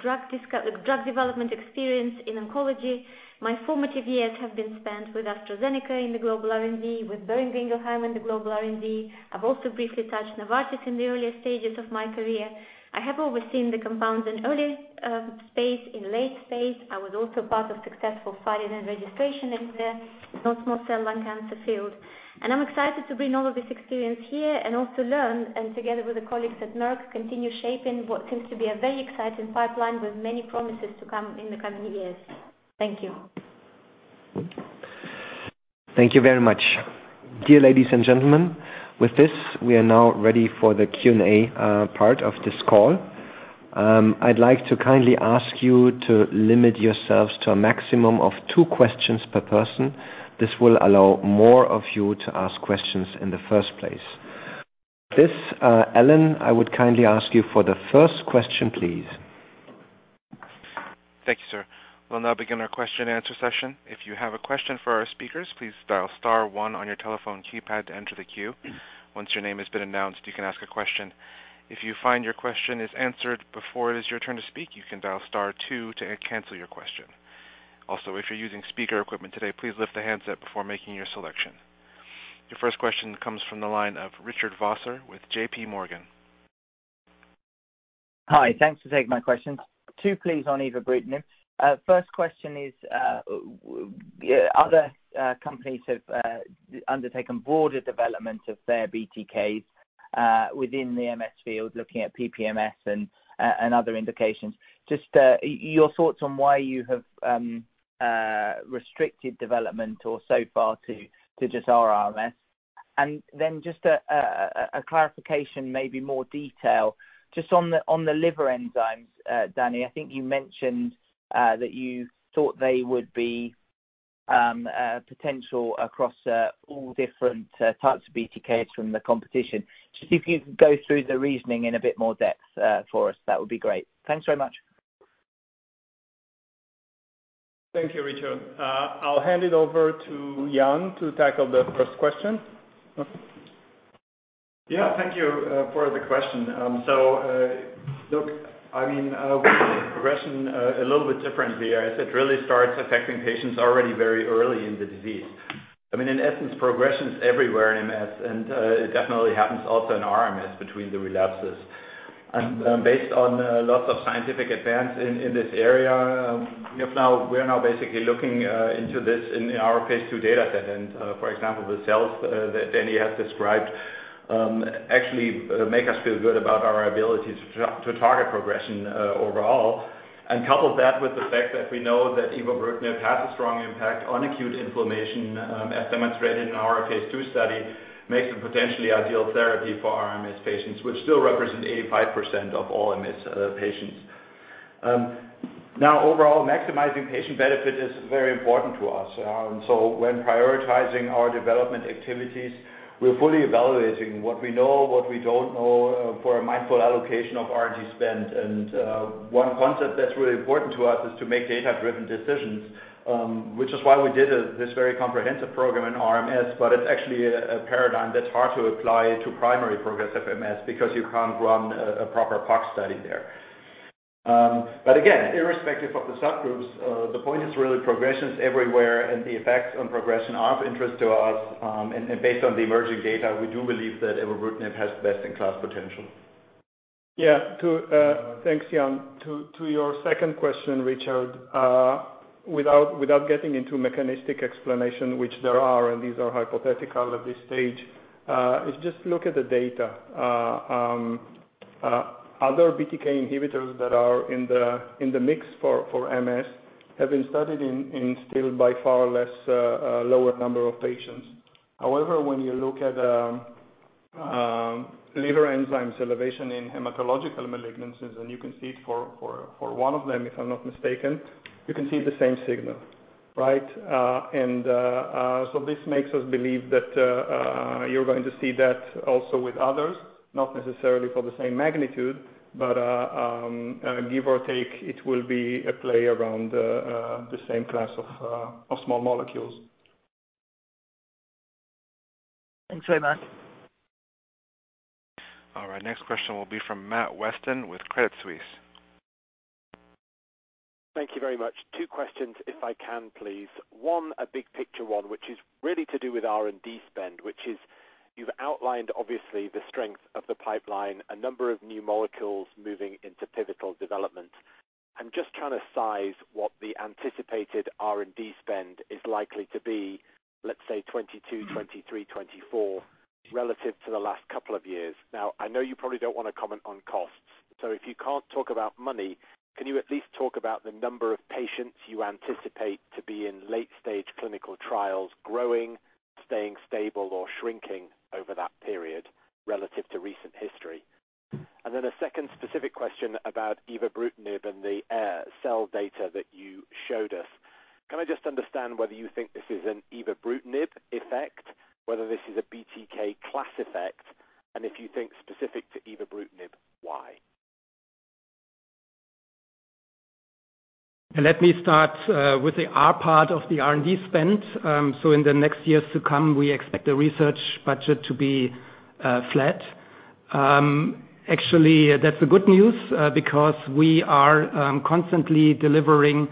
drug development experience in oncology. My formative years have been spent with AstraZeneca in the global R&D, with Boehringer Ingelheim in the global R&D. I've also briefly touched Novartis in the earlier stages of my career. I have overseen the compounds in early Phase, in late Phase. I was also part of successful filing and registration in the non-small cell lung cancer field. I'm excited to bring all of this experience here and also learn, and together with the colleagues at Merck, continue shaping what seems to be a very exciting pipeline with many promises to come in the coming years. Thank you. Thank you very much. Dear ladies and gentlemen, with this, we are now ready for the Q&A part of this call. I'd like to kindly ask you to limit yourselves to a maximum of two questions per person. This will allow more of you to ask questions in the first place. With this, Alan, I would kindly ask you for the first question, please. Thank you, sir. We'll now begin our question and answer session. If you have a question for our speakers, please dial star one on your telephone keypad to enter the queue. Once your name has been announced, you can ask a question. If you find your question is answered before it is your turn to speak, you can dial star two to cancel your question. Also, if you're using speaker equipment today, please lift the handset before making your selection. Your first question comes from the line of Richard Vosser with JP Morgan. Hi. Thanks for taking my questions. Two, please, on Ibudilast. First question is other companies have undertaken broader development of their BTKs within the MS field, looking at PPMS and other indications. Just your thoughts on why you have restricted development or so far to just RRMS. Just a clarification, maybe more detail just on the liver enzymes, Danny. I think you mentioned that you thought they would be potential across all different types of BTKs from the competition. Just if you go through the reasoning in a bit more depth for us, that would be great. Thanks very much. Thank you, Richard. I'll hand it over to Jan to tackle the first question. Yeah. Thank you for the question. Look, I mean, progression a little bit different here as it really starts affecting patients already very early in the disease. I mean, in essence, progression is everywhere in MS, and it definitely happens also in RMS between the relapses. Based on lots of scientific advance in this area, we are now basically looking into this in our Phase II data set. For example, the cells that Danny has described actually make us feel good about our ability to target progression overall. Couple that with the fact that we know that ibudilast has a strong impact on acute inflammation, as demonstrated in our Phase II study, makes it potentially ideal therapy for RMS patients, which still represent 85% of all MS patients. Now overall, maximizing patient benefit is very important to us. When prioritizing our development activities, we're fully evaluating what we know, what we don't know, for a mindful allocation of R&D spend. One concept that's really important to us is to make data-driven decisions, which is why we did this very comprehensive program in RMS, but it's actually a paradigm that's hard to apply to primary progressive MS because you can't run a proper PoC study there. Again, irrespective of the subgroups, the point is really progression is everywhere, and the effects on progression are of interest to us. Based on the emerging data, we do believe that Ibudilast has best-in-class potential. Thanks, Jan. To your second question, Richard, without getting into mechanistic explanation, which there are, and these are hypothetical at this stage, just look at the data. Other BTK inhibitors that are in the mix for MS have been studied in still by far lower number of patients. However, when you look at liver enzymes elevation in hematological malignancies, and you can see it for one of them, if I'm not mistaken, you can see the same signal, right? So this makes us believe that you're going to see that also with others, not necessarily for the same magnitude, but give or take, it will be a play around the same class of small molecules. Thanks very much. All right, next question will be from Matthew Weston with Credit Suisse. Thank you very much. 2 questions, if I can please. One, a big picture one, which is really to do with R&D spend, which is you've outlined obviously the strength of the pipeline, a number of new molecules moving into pivotal development. I'm just trying to size what the anticipated R&D spend is likely to be, let's say 2022, 2023, 2024, relative to the last couple of years. Now, I know you probably don't want to comment on costs, so if you can't talk about money, can you at least talk about the number of patients you anticipate to be in late-stage clinical trials growing, staying stable or shrinking over that period relative to recent history? Then a second specific question about ibrutinib and the cell data that you showed us. Can I just understand whether you think this is an ibrutinib effect, whether this is a BTK class effect, and if you think specific to ibrutinib, why? Let me start with the R part of the R&D spend. In the next years to come, we expect the research budget to be flat. Actually, that's the good news because we are constantly delivering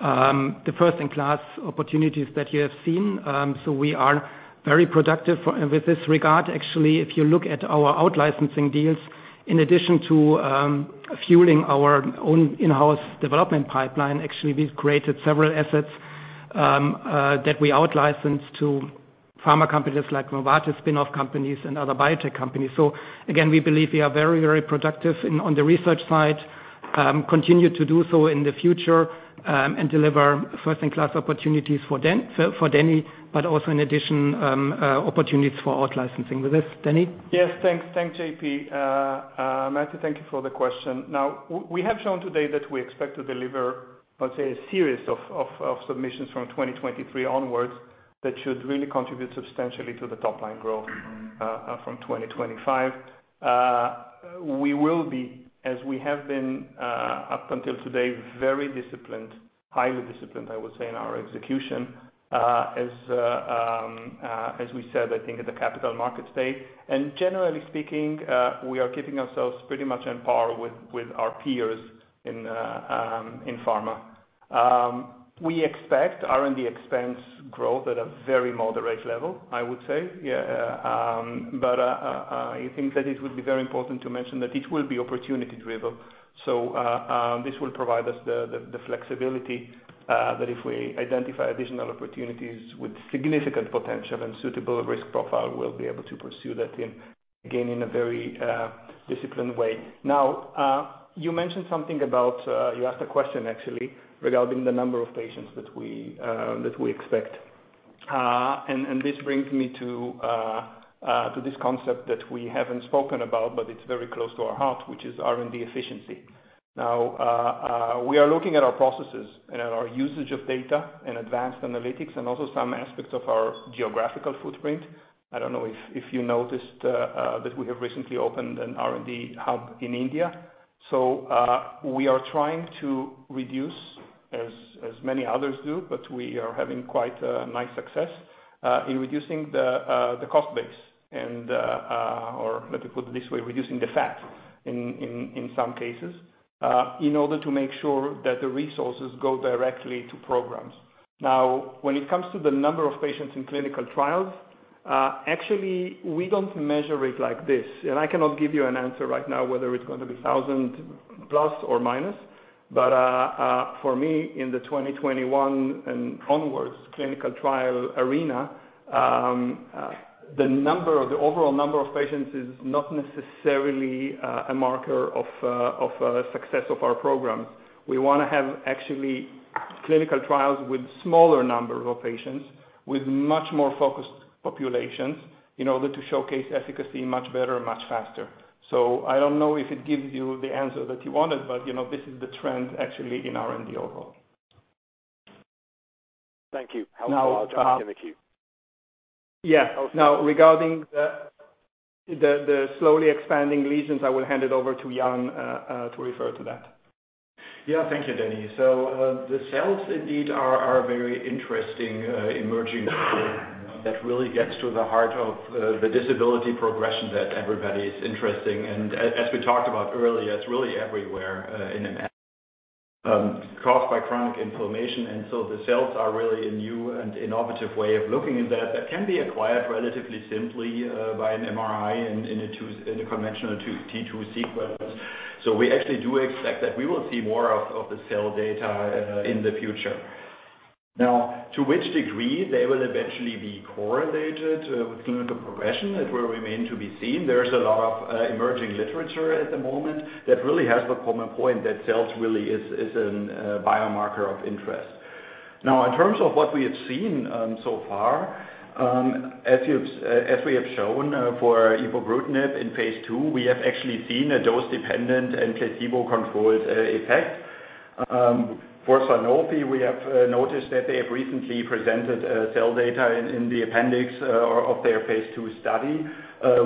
the first-in-class opportunities that you have seen. We are very productive with this regard. Actually, if you look at our out-licensing deals, in addition to fueling our own in-house development pipeline, actually, we've created several assets that we out-licensed to pharma companies like Novartis spin-off companies and other biotech companies. Again, we believe we are very, very productive on the research side, continue to do so in the future, and deliver first-in-class opportunities for Danny, but also in addition, opportunities for out-licensing with this. Danny? Yes. Thanks. Thanks, JP. Matthew, thank you for the question. Now, we have shown today that we expect to deliver, let's say, a series of submissions from 2023 onwards that should really contribute substantially to the top line growth from 2025. We will be, as we have been, up until today, very disciplined, highly disciplined, I would say, in our execution, as we said, I think at the capital markets day. Generally speaking, we are keeping ourselves pretty much on par with our peers in pharma. We expect R&D expense growth at a very moderate level, I would say. I think that it would be very important to mention that it will be opportunity-driven. This will provide us the flexibility that if we identify additional opportunities with significant potential and suitable risk profile, we'll be able to pursue that in, again, in a very disciplined way. Now, you asked a question actually regarding the number of patients that we expect. This brings me to this concept that we haven't spoken about, but it's very close to our heart, which is R&D efficiency. Now, we are looking at our processes and at our usage of data and advanced analytics and also some aspects of our geographical footprint. I don't know if you noticed that we have recently opened an R&D hub in India. We are trying to reduce as many others do, but we are having quite a nice success in reducing the cost base or let me put it this way, reducing the fat in some cases in order to make sure that the resources go directly to programs. Now, when it comes to the number of patients in clinical trials, actually, we don't measure it like this. I cannot give you an answer right now whether it's going to be 1,000 plus or minus. For me in the 2021 and onwards clinical trial arena, the number, the overall number of patients is not necessarily a marker of success of our programs. We wanna have actually clinical trials with smaller numbers of patients with much more focused populations in order to showcase efficacy much better, much faster. I don't know if it gives you the answer that you wanted, but, you know, this is the trend actually in R&D overall. Thank you. Helpful. Now. I'll turn it to Jimmy. Yeah. Now regarding the slowly expanding lesions, I will hand it over to Jan to refer to that. Yeah, thank you, Denny. The SELs indeed are very interesting emerging that really gets to the heart of the disability progression that everybody is interested in. As we talked about earlier, it's really everywhere and caused by chronic inflammation. The SELs are really a new and innovative way of looking at that that can be acquired relatively simply by an MRI in a conventional T2 sequence. We actually do expect that we will see more of the SEL data in the future. Now, to which degree they will eventually be correlated with clinical progression remains to be seen. There's a lot of emerging literature at the moment that really has the common point that SELs really are a biomarker of interest. Now, in terms of what we have seen so far, as we have shown for ibrutinib in Phase II, we have actually seen a dose-dependent and placebo-controlled effect. For Sanofi, we have noticed that they have recently presented SEL data in the appendix of their Phase II study.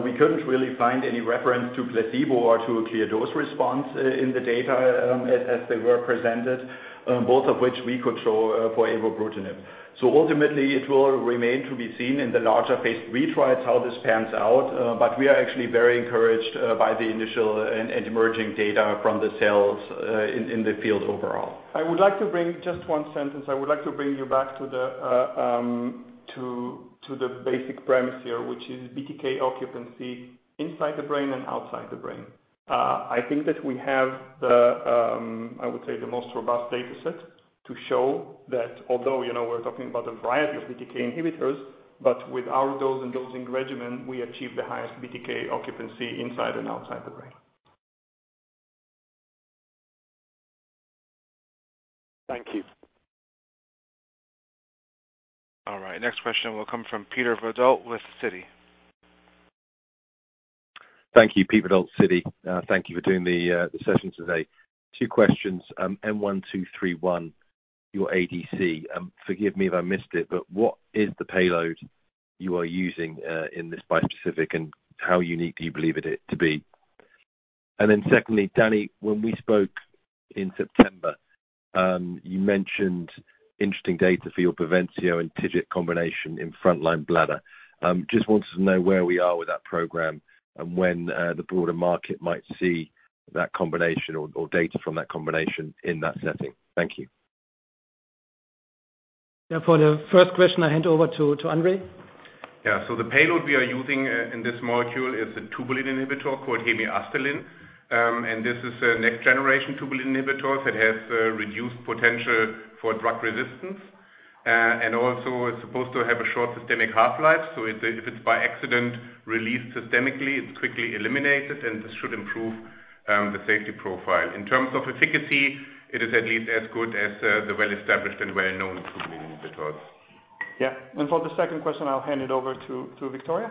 We couldn't really find any reference to placebo or to a clear dose response in the data, as they were presented, both of which we could show for ibrutinib. Ultimately it will remain to be seen in the Phase III trials, how this pans out, but we are actually very encouraged by the initial and emerging data from the SELs in the field overall. I would like to bring just one sentence. I would like to bring you back to the basic premise here, which is BTK occupancy inside the brain and outside the brain. I think that we have the, I would say, the most robust data set to show that although, you know, we're talking about a variety of BTK inhibitors, but with our dose and dosing regimen, we achieve the highest BTK occupancy inside and outside the brain. Thank you. All right. Next question will come from Peter Verdult with Citi. Thank you. Peter Verdult, Citi. Thank you for doing the session today. Two questions. M1231, your ADC. Forgive me if I missed it, but what is the payload you are using in this bispecific, and how unique do you believe it to be? Secondly, Danny, when we spoke in September, you mentioned interesting data for your Bavencio and TIGIT combination in frontline bladder. Just wanted to know where we are with that program and when the broader market might see that combination or data from that combination in that setting. Thank you. Yeah. For the first question, I hand over to Andree. Yeah, the payload we are using in this molecule is a tubulin inhibitor called Hemiasterlin. This is a next generation tubulin inhibitor that has reduced potential for drug resistance. It also is supposed to have a short systemic half-life. If it's by accident released systemically, it's quickly eliminated, and this should improve the safety profile. In terms of efficacy, it is at least as good as the well-established and well-known tubulin inhibitors. Yeah. For the second question, I'll hand it over to Victoria.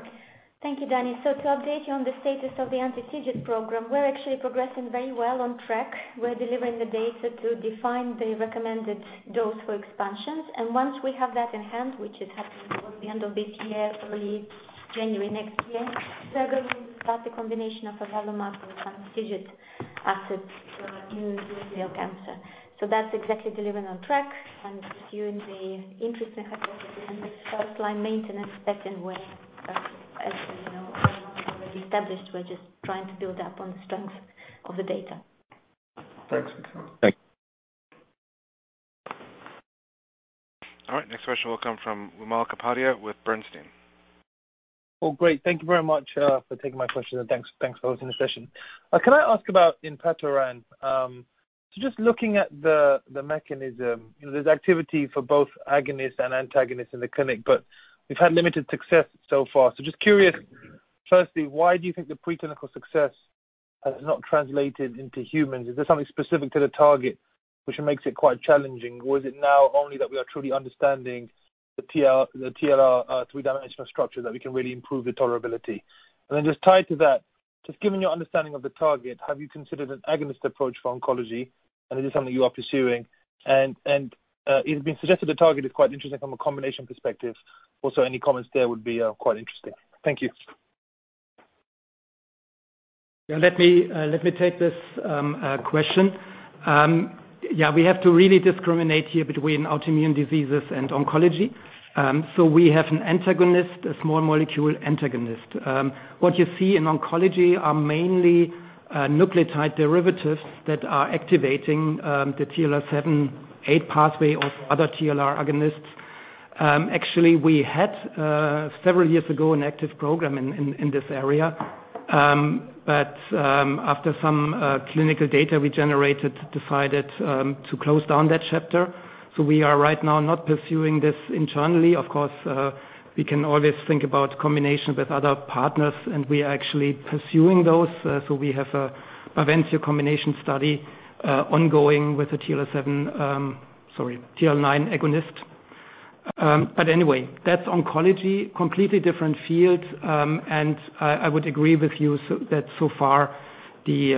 Thank you, Denny. To update you on the status of the anti-TIGIT program, we're actually progressing very well on track. We're delivering the data to define the recommended dose for expansions. Once we have that in hand, which is happening towards the end of this year, early January next year, we are going to start the combination of avelumab with anti-TIGIT asset for urothelial cancer. That's exactly delivering on track and pursuing the interesting hypothesis in this first line maintenance setting where, as you know, avelumab is already established. We're just trying to build up on the strength of the data. Thanks. All right, next question will come from Wimal Kapadia with Bernstein. Well, great. Thank you very much for taking my question. Thanks for hosting the session. Can I ask about enpatoran? Just looking at the mechanism, you know, there's activity for both agonist and antagonist in the clinic, but we've had limited success so far. Just curious, firstly, why do you think the preclinical success has not translated into humans? Is there something specific to the target which makes it quite challenging? Or is it now only that we are truly understanding the TLR three-dimensional structure that we can really improve the tolerability? Then just tied to that, just given your understanding of the target, have you considered an agonist approach for oncology and is this something you are pursuing? It's been suggested the target is quite interesting from a combination perspective. Also, any comments there would be quite interesting. Thank you. Yeah, let me take this question. Yeah, we have to really discriminate here between autoimmune diseases and oncology. We have an antagonist, a small molecule antagonist. What you see in oncology are mainly nucleotide derivatives that are activating the TLR seven eight pathway of other TLR agonists. Actually, we had several years ago an active program in this area. After some clinical data we generated, decided to close down that chapter. We are right now not pursuing this internally. Of course, we can always think about combination with other partners, and we are actually pursuing those. We have a Bavencio combination study ongoing with the TLR seven. Sorry, TLR nine agonist. Anyway, that's oncology, completely different field. I would agree with you that so far the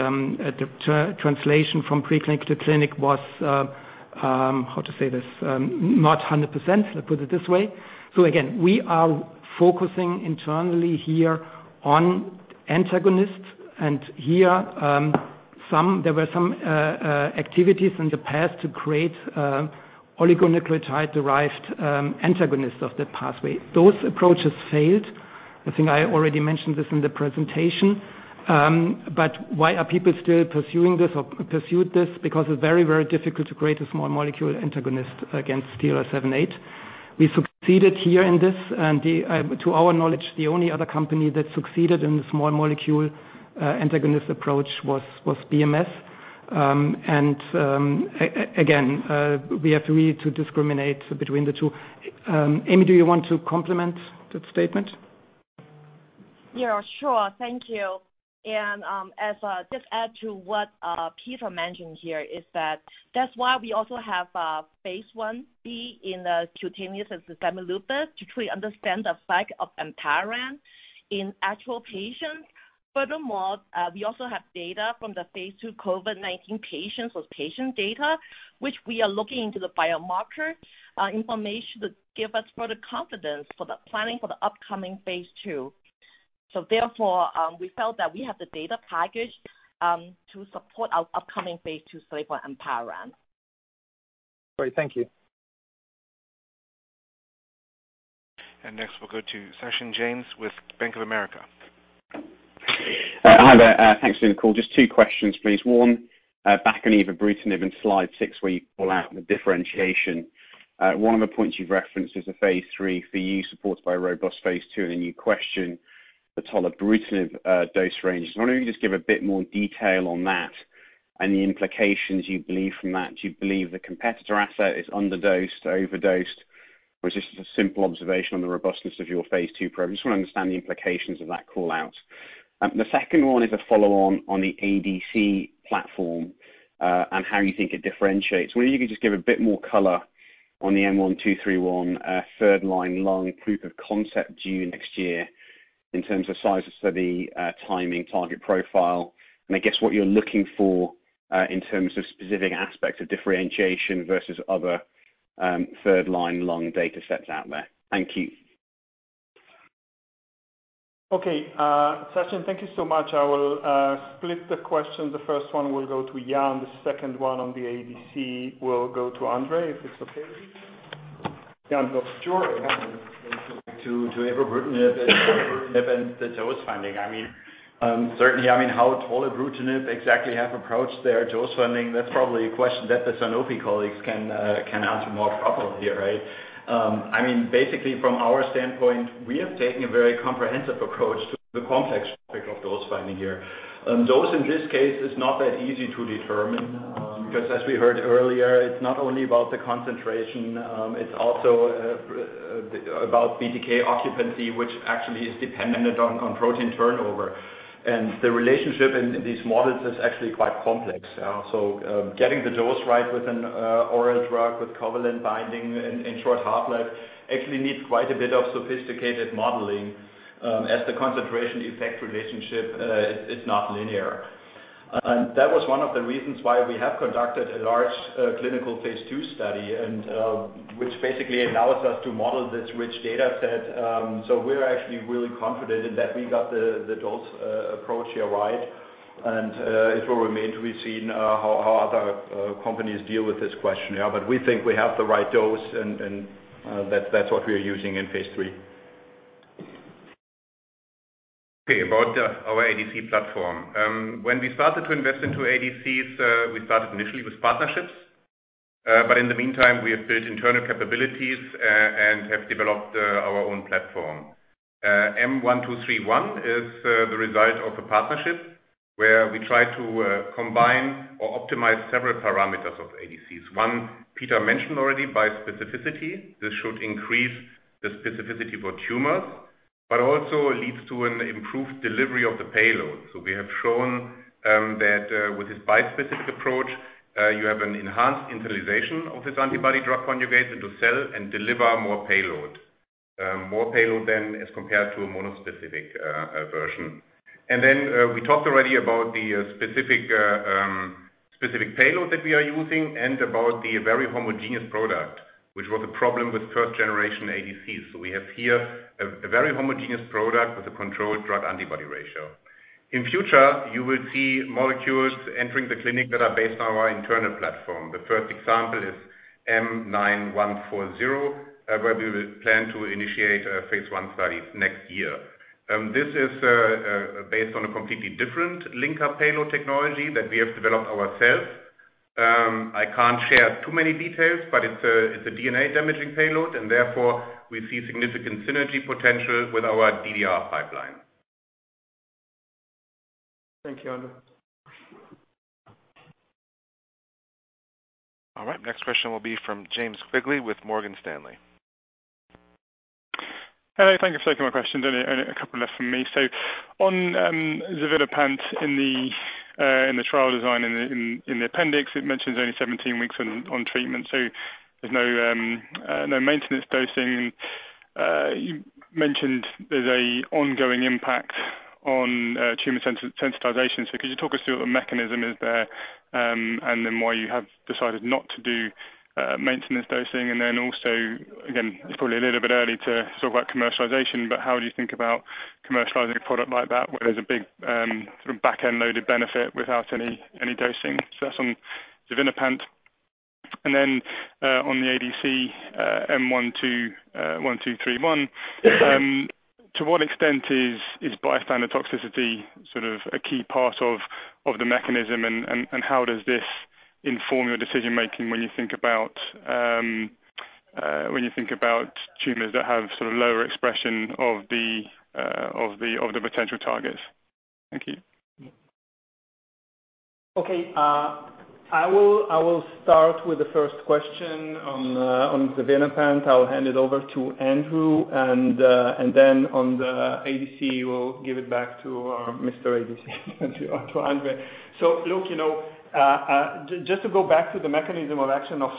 translation from preclinical to clinic was, how to say this? Not 100%, let's put it this way. Again, we are focusing internally here on antagonists, and there were some activities in the past to create oligonucleotide-derived antagonists of that pathway. Those approaches failed. I think I already mentioned this in the presentation. Why are people still pursuing this or pursued this? Because it's very, very difficult to create a small molecule antagonist against TLR7/8. We succeeded here in this, and, to our knowledge, the only other company that succeeded in the small molecule antagonist approach was BMS. Again, we need to discriminate between the two. Amy, do you want to complement that statement? Yeah, sure. Thank you. As just to add to what Peter mentioned here is that that's why we also have phase I-B in the cutaneous and systemic lupus to truly understand the effect of enpatoran in actual patients. Furthermore, we also have data from the Phase II COVID-19 patients with patient data, which we are looking into the biomarker information that give us further confidence for the planning for the upcoming Phase II. We felt that we have the data package to support our upcoming Phase II study for enpatoran. Great. Thank you. Next, we'll go to Sachin Jain with Bank of America. Hi there. Thanks for the call. Just two questions, please. One, back on evobrutinib in slide 6, where you call out the differentiation. One of the points you've referenced is Phase III for you supported by a robust Phase II. You question the tolebrutinib dose range. I was wondering if you could just give a bit more detail on that and the implications you believe from that. Do you believe the competitor asset is underdosed or overdosed, or is this just a simple observation on the robustness of your Phase II program? I just wanna understand the implications of that call-out. The second one is a follow-on on the ADC platform, and how you think it differentiates. Wondering if you could just give a bit more color on the M1231, third line lung proof of concept due next year in terms of size of study, timing, target profile, and I guess what you're looking for, in terms of specific aspects of differentiation versus other, third line lung data sets out there. Thank you. Okay. Sachin, thank you so much. I will split the question. The first one will go to Jan. The second one on the ADC will go to Andree, if it's okay with you. Jan, go for it. Sure. To evobrutinib and the dose finding. I mean, certainly, I mean, how tolebrutinib exactly have approached their dose finding, that's probably a question that the Sanofi colleagues can answer more properly here, right? I mean, basically from our standpoint, we have taken a very comprehensive approach to the complex topic of dose finding here. Dose in this case is not that easy to determine, because as we heard earlier, it's not only about the concentration, it's also about BTK occupancy, which actually is dependent on protein turnover. The relationship in these models is actually quite complex. Getting the dose right with an oral drug with covalent binding and short half-life actually needs quite a bit of sophisticated modeling, as the concentration-effect relationship is not linear. That was one of the reasons why we have conducted a large, clinical Phase II study and, which basically allows us to model this rich data set. We're actually really confident in that we got the dose approach here right. It will remain to be seen how other companies deal with this question, yeah. We think we have the right dose and, that's what we are using Phase III. okay, about our ADC platform. When we started to invest into ADCs, we started initially with partnerships. In the meantime we have built internal capabilities and have developed our own platform. M1231 is the result of a partnership where we try to combine or optimize several parameters of ADCs. 1, Peter mentioned already, by specificity. This should increase the specificity for tumors, but also leads to an improved delivery of the payload. We have shown that with this bispecific approach you have an enhanced internalization of this antibody drug conjugate into cell and deliver more payload. More payload than as compared to a monospecific version. We talked already about the specific payload that we are using and about the very homogeneous product, which was a problem with first generation ADCs. We have here a very homogeneous product with a controlled drug antibody ratio. In future, you will see molecules entering the clinic that are based on our internal platform. The first example is M9140, where we will plan to initiate phase I studies next year. This is based on a completely different linker payload technology that we have developed ourselves. I can't share too many details, but it's a DNA-damaging payload, and therefore we see significant synergy potential with our DDR pipeline. Thank you, Andree. All right, next question will be from James Quigley with Morgan Stanley. Hello, thank you for taking my questions. Only a couple left from me. On xevinapant in the trial design in the appendix, it mentions only 17 weeks on treatment, so there's no maintenance dosing. You mentioned there's an ongoing impact on tumor sensitization. Could you talk us through what the mechanism is there, and then why you have decided not to do maintenance dosing? Also, again, it's probably a little bit early to talk about commercialization, but how do you think about commercializing a product like that where there's a big sort of backend loaded benefit without any dosing? That's on xevinapant. Then on the ADC, M1231. To what extent is bystander toxicity sort of a key part of the mechanism? How does this inform your decision-making when you think about tumors that have sort of lower expression of the potential targets? Thank you. Okay, I will start with the first question on xevinapant. I'll hand it over to Andree and then on the ADC, we'll give it back to our Mr. ADC to Andree. Look, you know, just to go back to the mechanism of action of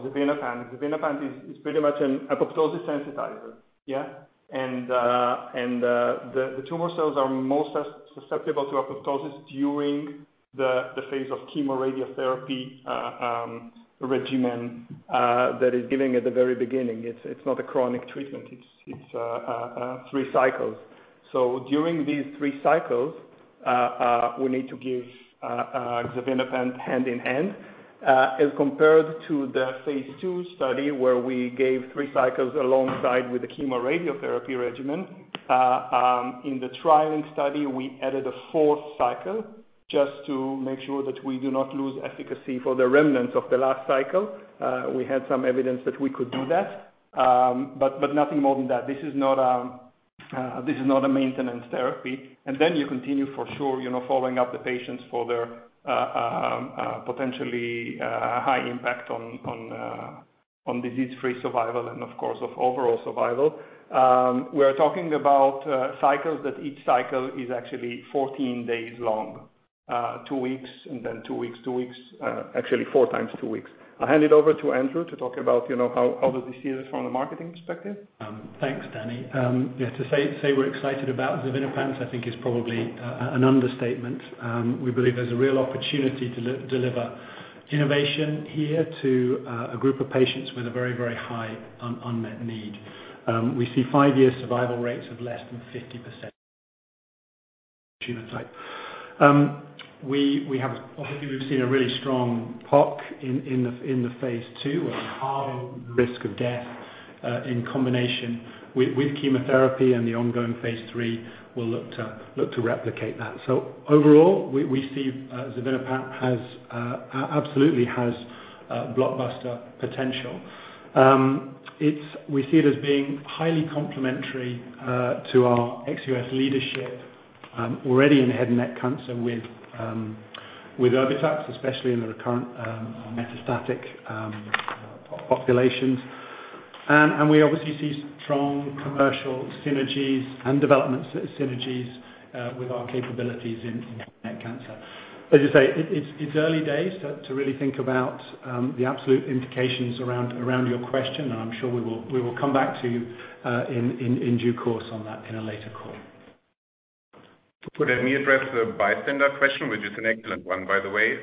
xevinapant. Xevinapant is pretty much an apoptosis sensitizer. Yeah. The tumor cells are most susceptible to apoptosis during the phase of chemo-radiotherapy regimen that is giving at the very beginning. It's not a chronic treatment. It's three cycles. During these three cycles, we need to give xevinapant hand in hand as compared to the Phase II study, where we gave three cycles alongside with the chemo-radiotherapy regimen. In the TrilynX study, we added a fourth cycle just to make sure that we do not lose efficacy for the remnants of the last cycle. We had some evidence that we could do that, but nothing more than that. This is not a maintenance therapy. Then you continue for sure, you know, following up the patients for their potentially high impact on disease-free survival and of course, of overall survival. We are talking about cycles that each cycle is actually 14 days long. Two weeks and then two weeks, actually four times two weeks. I'll hand it over to Andree to talk about, you know, how does he see this from a marketing perspective. Thanks, Danny. Yeah, to say we're excited about xevinapant, I think it is probably an understatement. We believe there's a real opportunity to deliver innovation here to a group of patients with a very high unmet need. We see five-year survival rates of less than 50%. Obviously, we've seen a really strong PoC in the Phase II and halves the risk of death in combination with chemotherapy and the Phase III. we'll look to replicate that. Overall, we see xevinapant absolutely has blockbuster potential. We see it as being highly complementary to our Erbitux leadership already in head and neck cancer with Erbitux, especially in the recurrent or metastatic populations. We obviously see strong commercial synergies and development synergies with our capabilities in head and neck cancer. As you say, it's early days to really think about the absolute indications around your question, and I'm sure we will come back to in due course on that in a later call. Let me address the bystander question, which is an excellent one, by the way.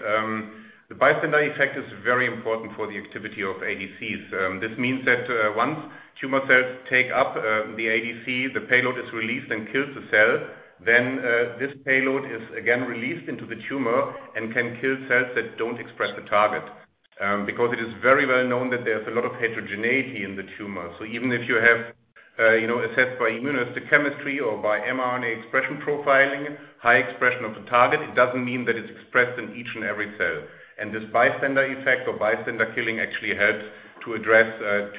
The bystander effect is very important for the activity of ADCs. This means that once tumor cells take up the ADC, the payload is released and kills the cell. Then this payload is again released into the tumor and can kill cells that don't express the target. Because it is very well known that there's a lot of heterogeneity in the tumor. Even if you have, you know, assessed by immunohistochemistry or by mRNA expression profiling, high expression of the target, it doesn't mean that it's expressed in each and every cell. This bystander effect or bystander killing actually helps to address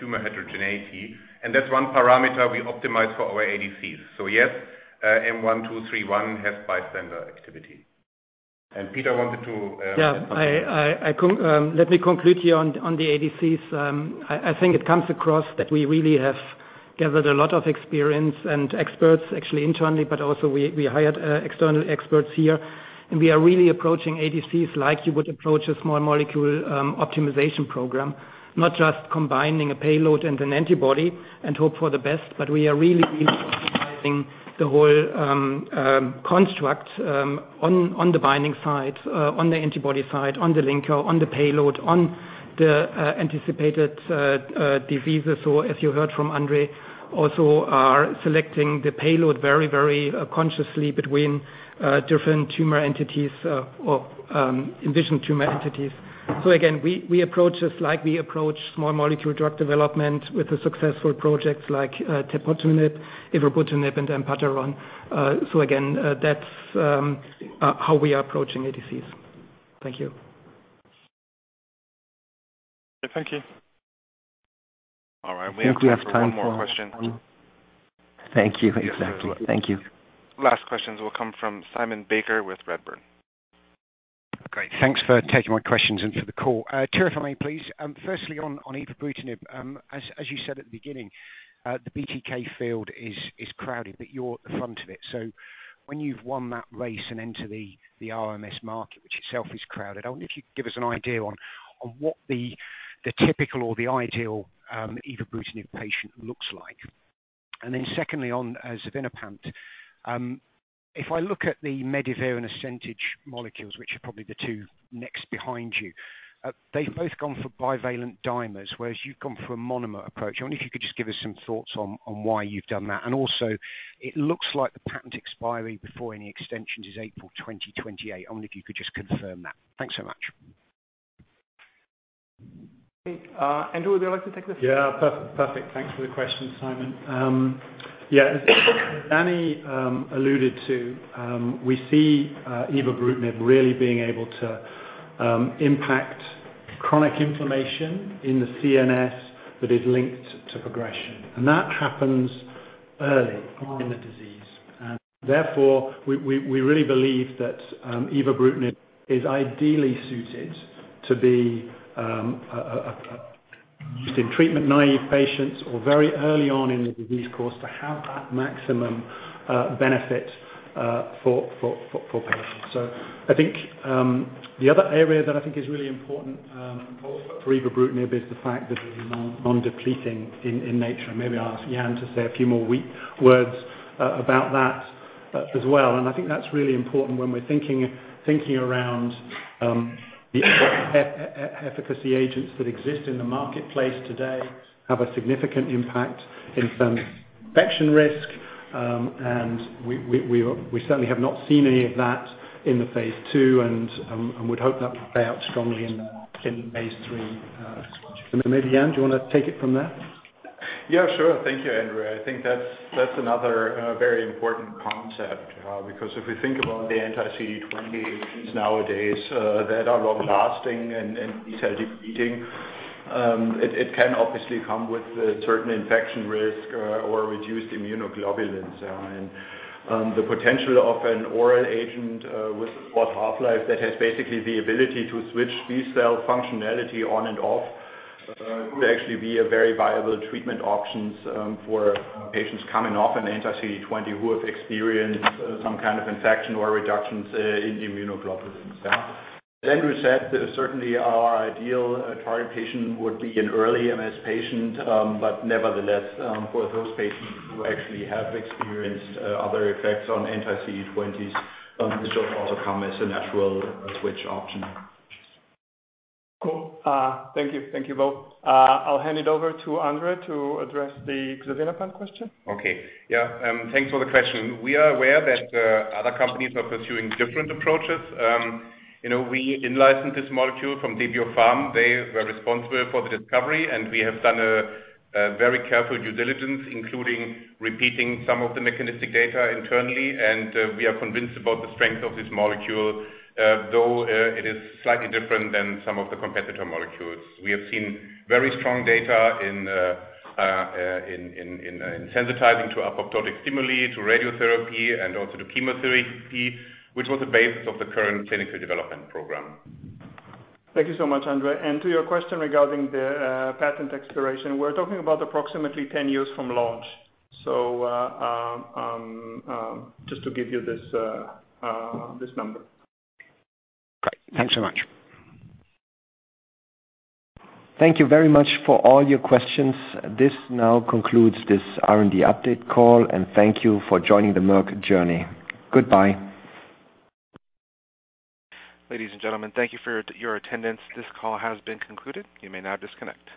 tumor heterogeneity. That's one parameter we optimize for our ADCs. Yes, M1231 has bystander activity. Peter wanted to Let me conclude here on the ADCs. I think it comes across that we really have gathered a lot of experience and experts actually internally, but also we hired external experts here. We are really approaching ADCs like you would approach a small molecule optimization program. Not just combining a payload and an antibody and hope for the best, but we are really optimizing the whole construct on the binding side, on the antibody side, on the linker, on the payload, on the anticipated diseases, or as you heard from Andree, also are selecting the payload very consciously between different tumor entities, or envisioned tumor entities. We approach this like we approach small molecule drug development with the successful projects like tepotinib, ibrutinib and then Patalan. That's how we are approaching ADCs. Thank you. Thank you. All right. We have time for one more question. Thank you. Exactly. Thank you. Last questions will come from Simon Baker with Redburn. Great. Thanks for taking my questions and for the call. Two if I may please. Firstly on evobrutinib, as you said at the beginning, the BTK field is crowded, but you're at the front of it. When you've won that race and enter the RMS market, which itself is crowded, I wonder if you could give us an idea on what the typical or the ideal evobrutinib patient looks like. Then secondly, on xevinapant. If I look at the Medivir and Ascentage molecules, which are probably the two next behind you, they've both gone for bivalent dimers, whereas you've gone for a monomer approach. I wonder if you could just give us some thoughts on why you've done that. Also, it looks like the patent expiry before any extensions is April 2028. I wonder if you could just confirm that? Thanks so much. Okay, Andree, would you like to take this? Yeah, perfect. Thanks for the question, Simon. Yeah, as Danny alluded to, we see evobrutinib really being able to impact chronic inflammation in the CNS that is linked to progression. That happens early on in the disease. Therefore, we really believe that evobrutinib is ideally suited to be used in treatment-naive patients or very early on in the disease course to have that maximum benefit for patients. I think the other area that I think is really important for evobrutinib is the fact that it is non-depleting in nature. Maybe I'll ask Jan to say a few more words about that as well. I think that's really important when we're thinking around the efficacy agents that exist in the marketplace today have a significant impact in terms of infection risk. We certainly have not seen any of that in the Phase II and would hope that would play out strongly Phase III as well. Maybe Jan, do you wanna take it from there? Yeah, sure. Thank you, Andree. I think that's another very important concept because if we think about the anti-CD20 agents nowadays that are long-lasting and B-cell depleting, it can obviously come with a certain infection risk or reduced immunoglobulins. The potential of an oral agent with a short half-life that has basically the ability to switch B-cell functionality on and off could actually be a very viable treatment options for patients coming off an anti-CD20 who have experienced some kind of infection or reductions in immunoglobulins, yeah. As Andree said, certainly our ideal target patient would be an early MS patient. But nevertheless, for those patients who actually have experienced other effects on anti-CD20s, this will also come as a natural switch option. Cool. Thank you. Thank you both. I'll hand it over to Andree to address the xevinapant question. Okay. Yeah. Thanks for the question. We are aware that other companies are pursuing different approaches. You know, we in-licensed this molecule from Debiopharm. They were responsible for the discovery, and we have done a very careful due diligence, including repeating some of the mechanistic data internally. We are convinced about the strength of this molecule, though it is slightly different than some of the competitor molecules. We have seen very strong data in sensitizing to apoptotic stimuli, to radiotherapy, and also to chemotherapy, which was the basis of the current clinical development program. Thank you so much, Andree. To your question regarding the patent expiration, we're talking about approximately 10 years from launch. Just to give you this number. Great. Thanks so much. Thank you very much for all your questions. This now concludes this R&D update call, and thank you for joining the Merck journey. Goodbye. Ladies and gentlemen, thank you for your attendance. This call has been concluded. You may now disconnect.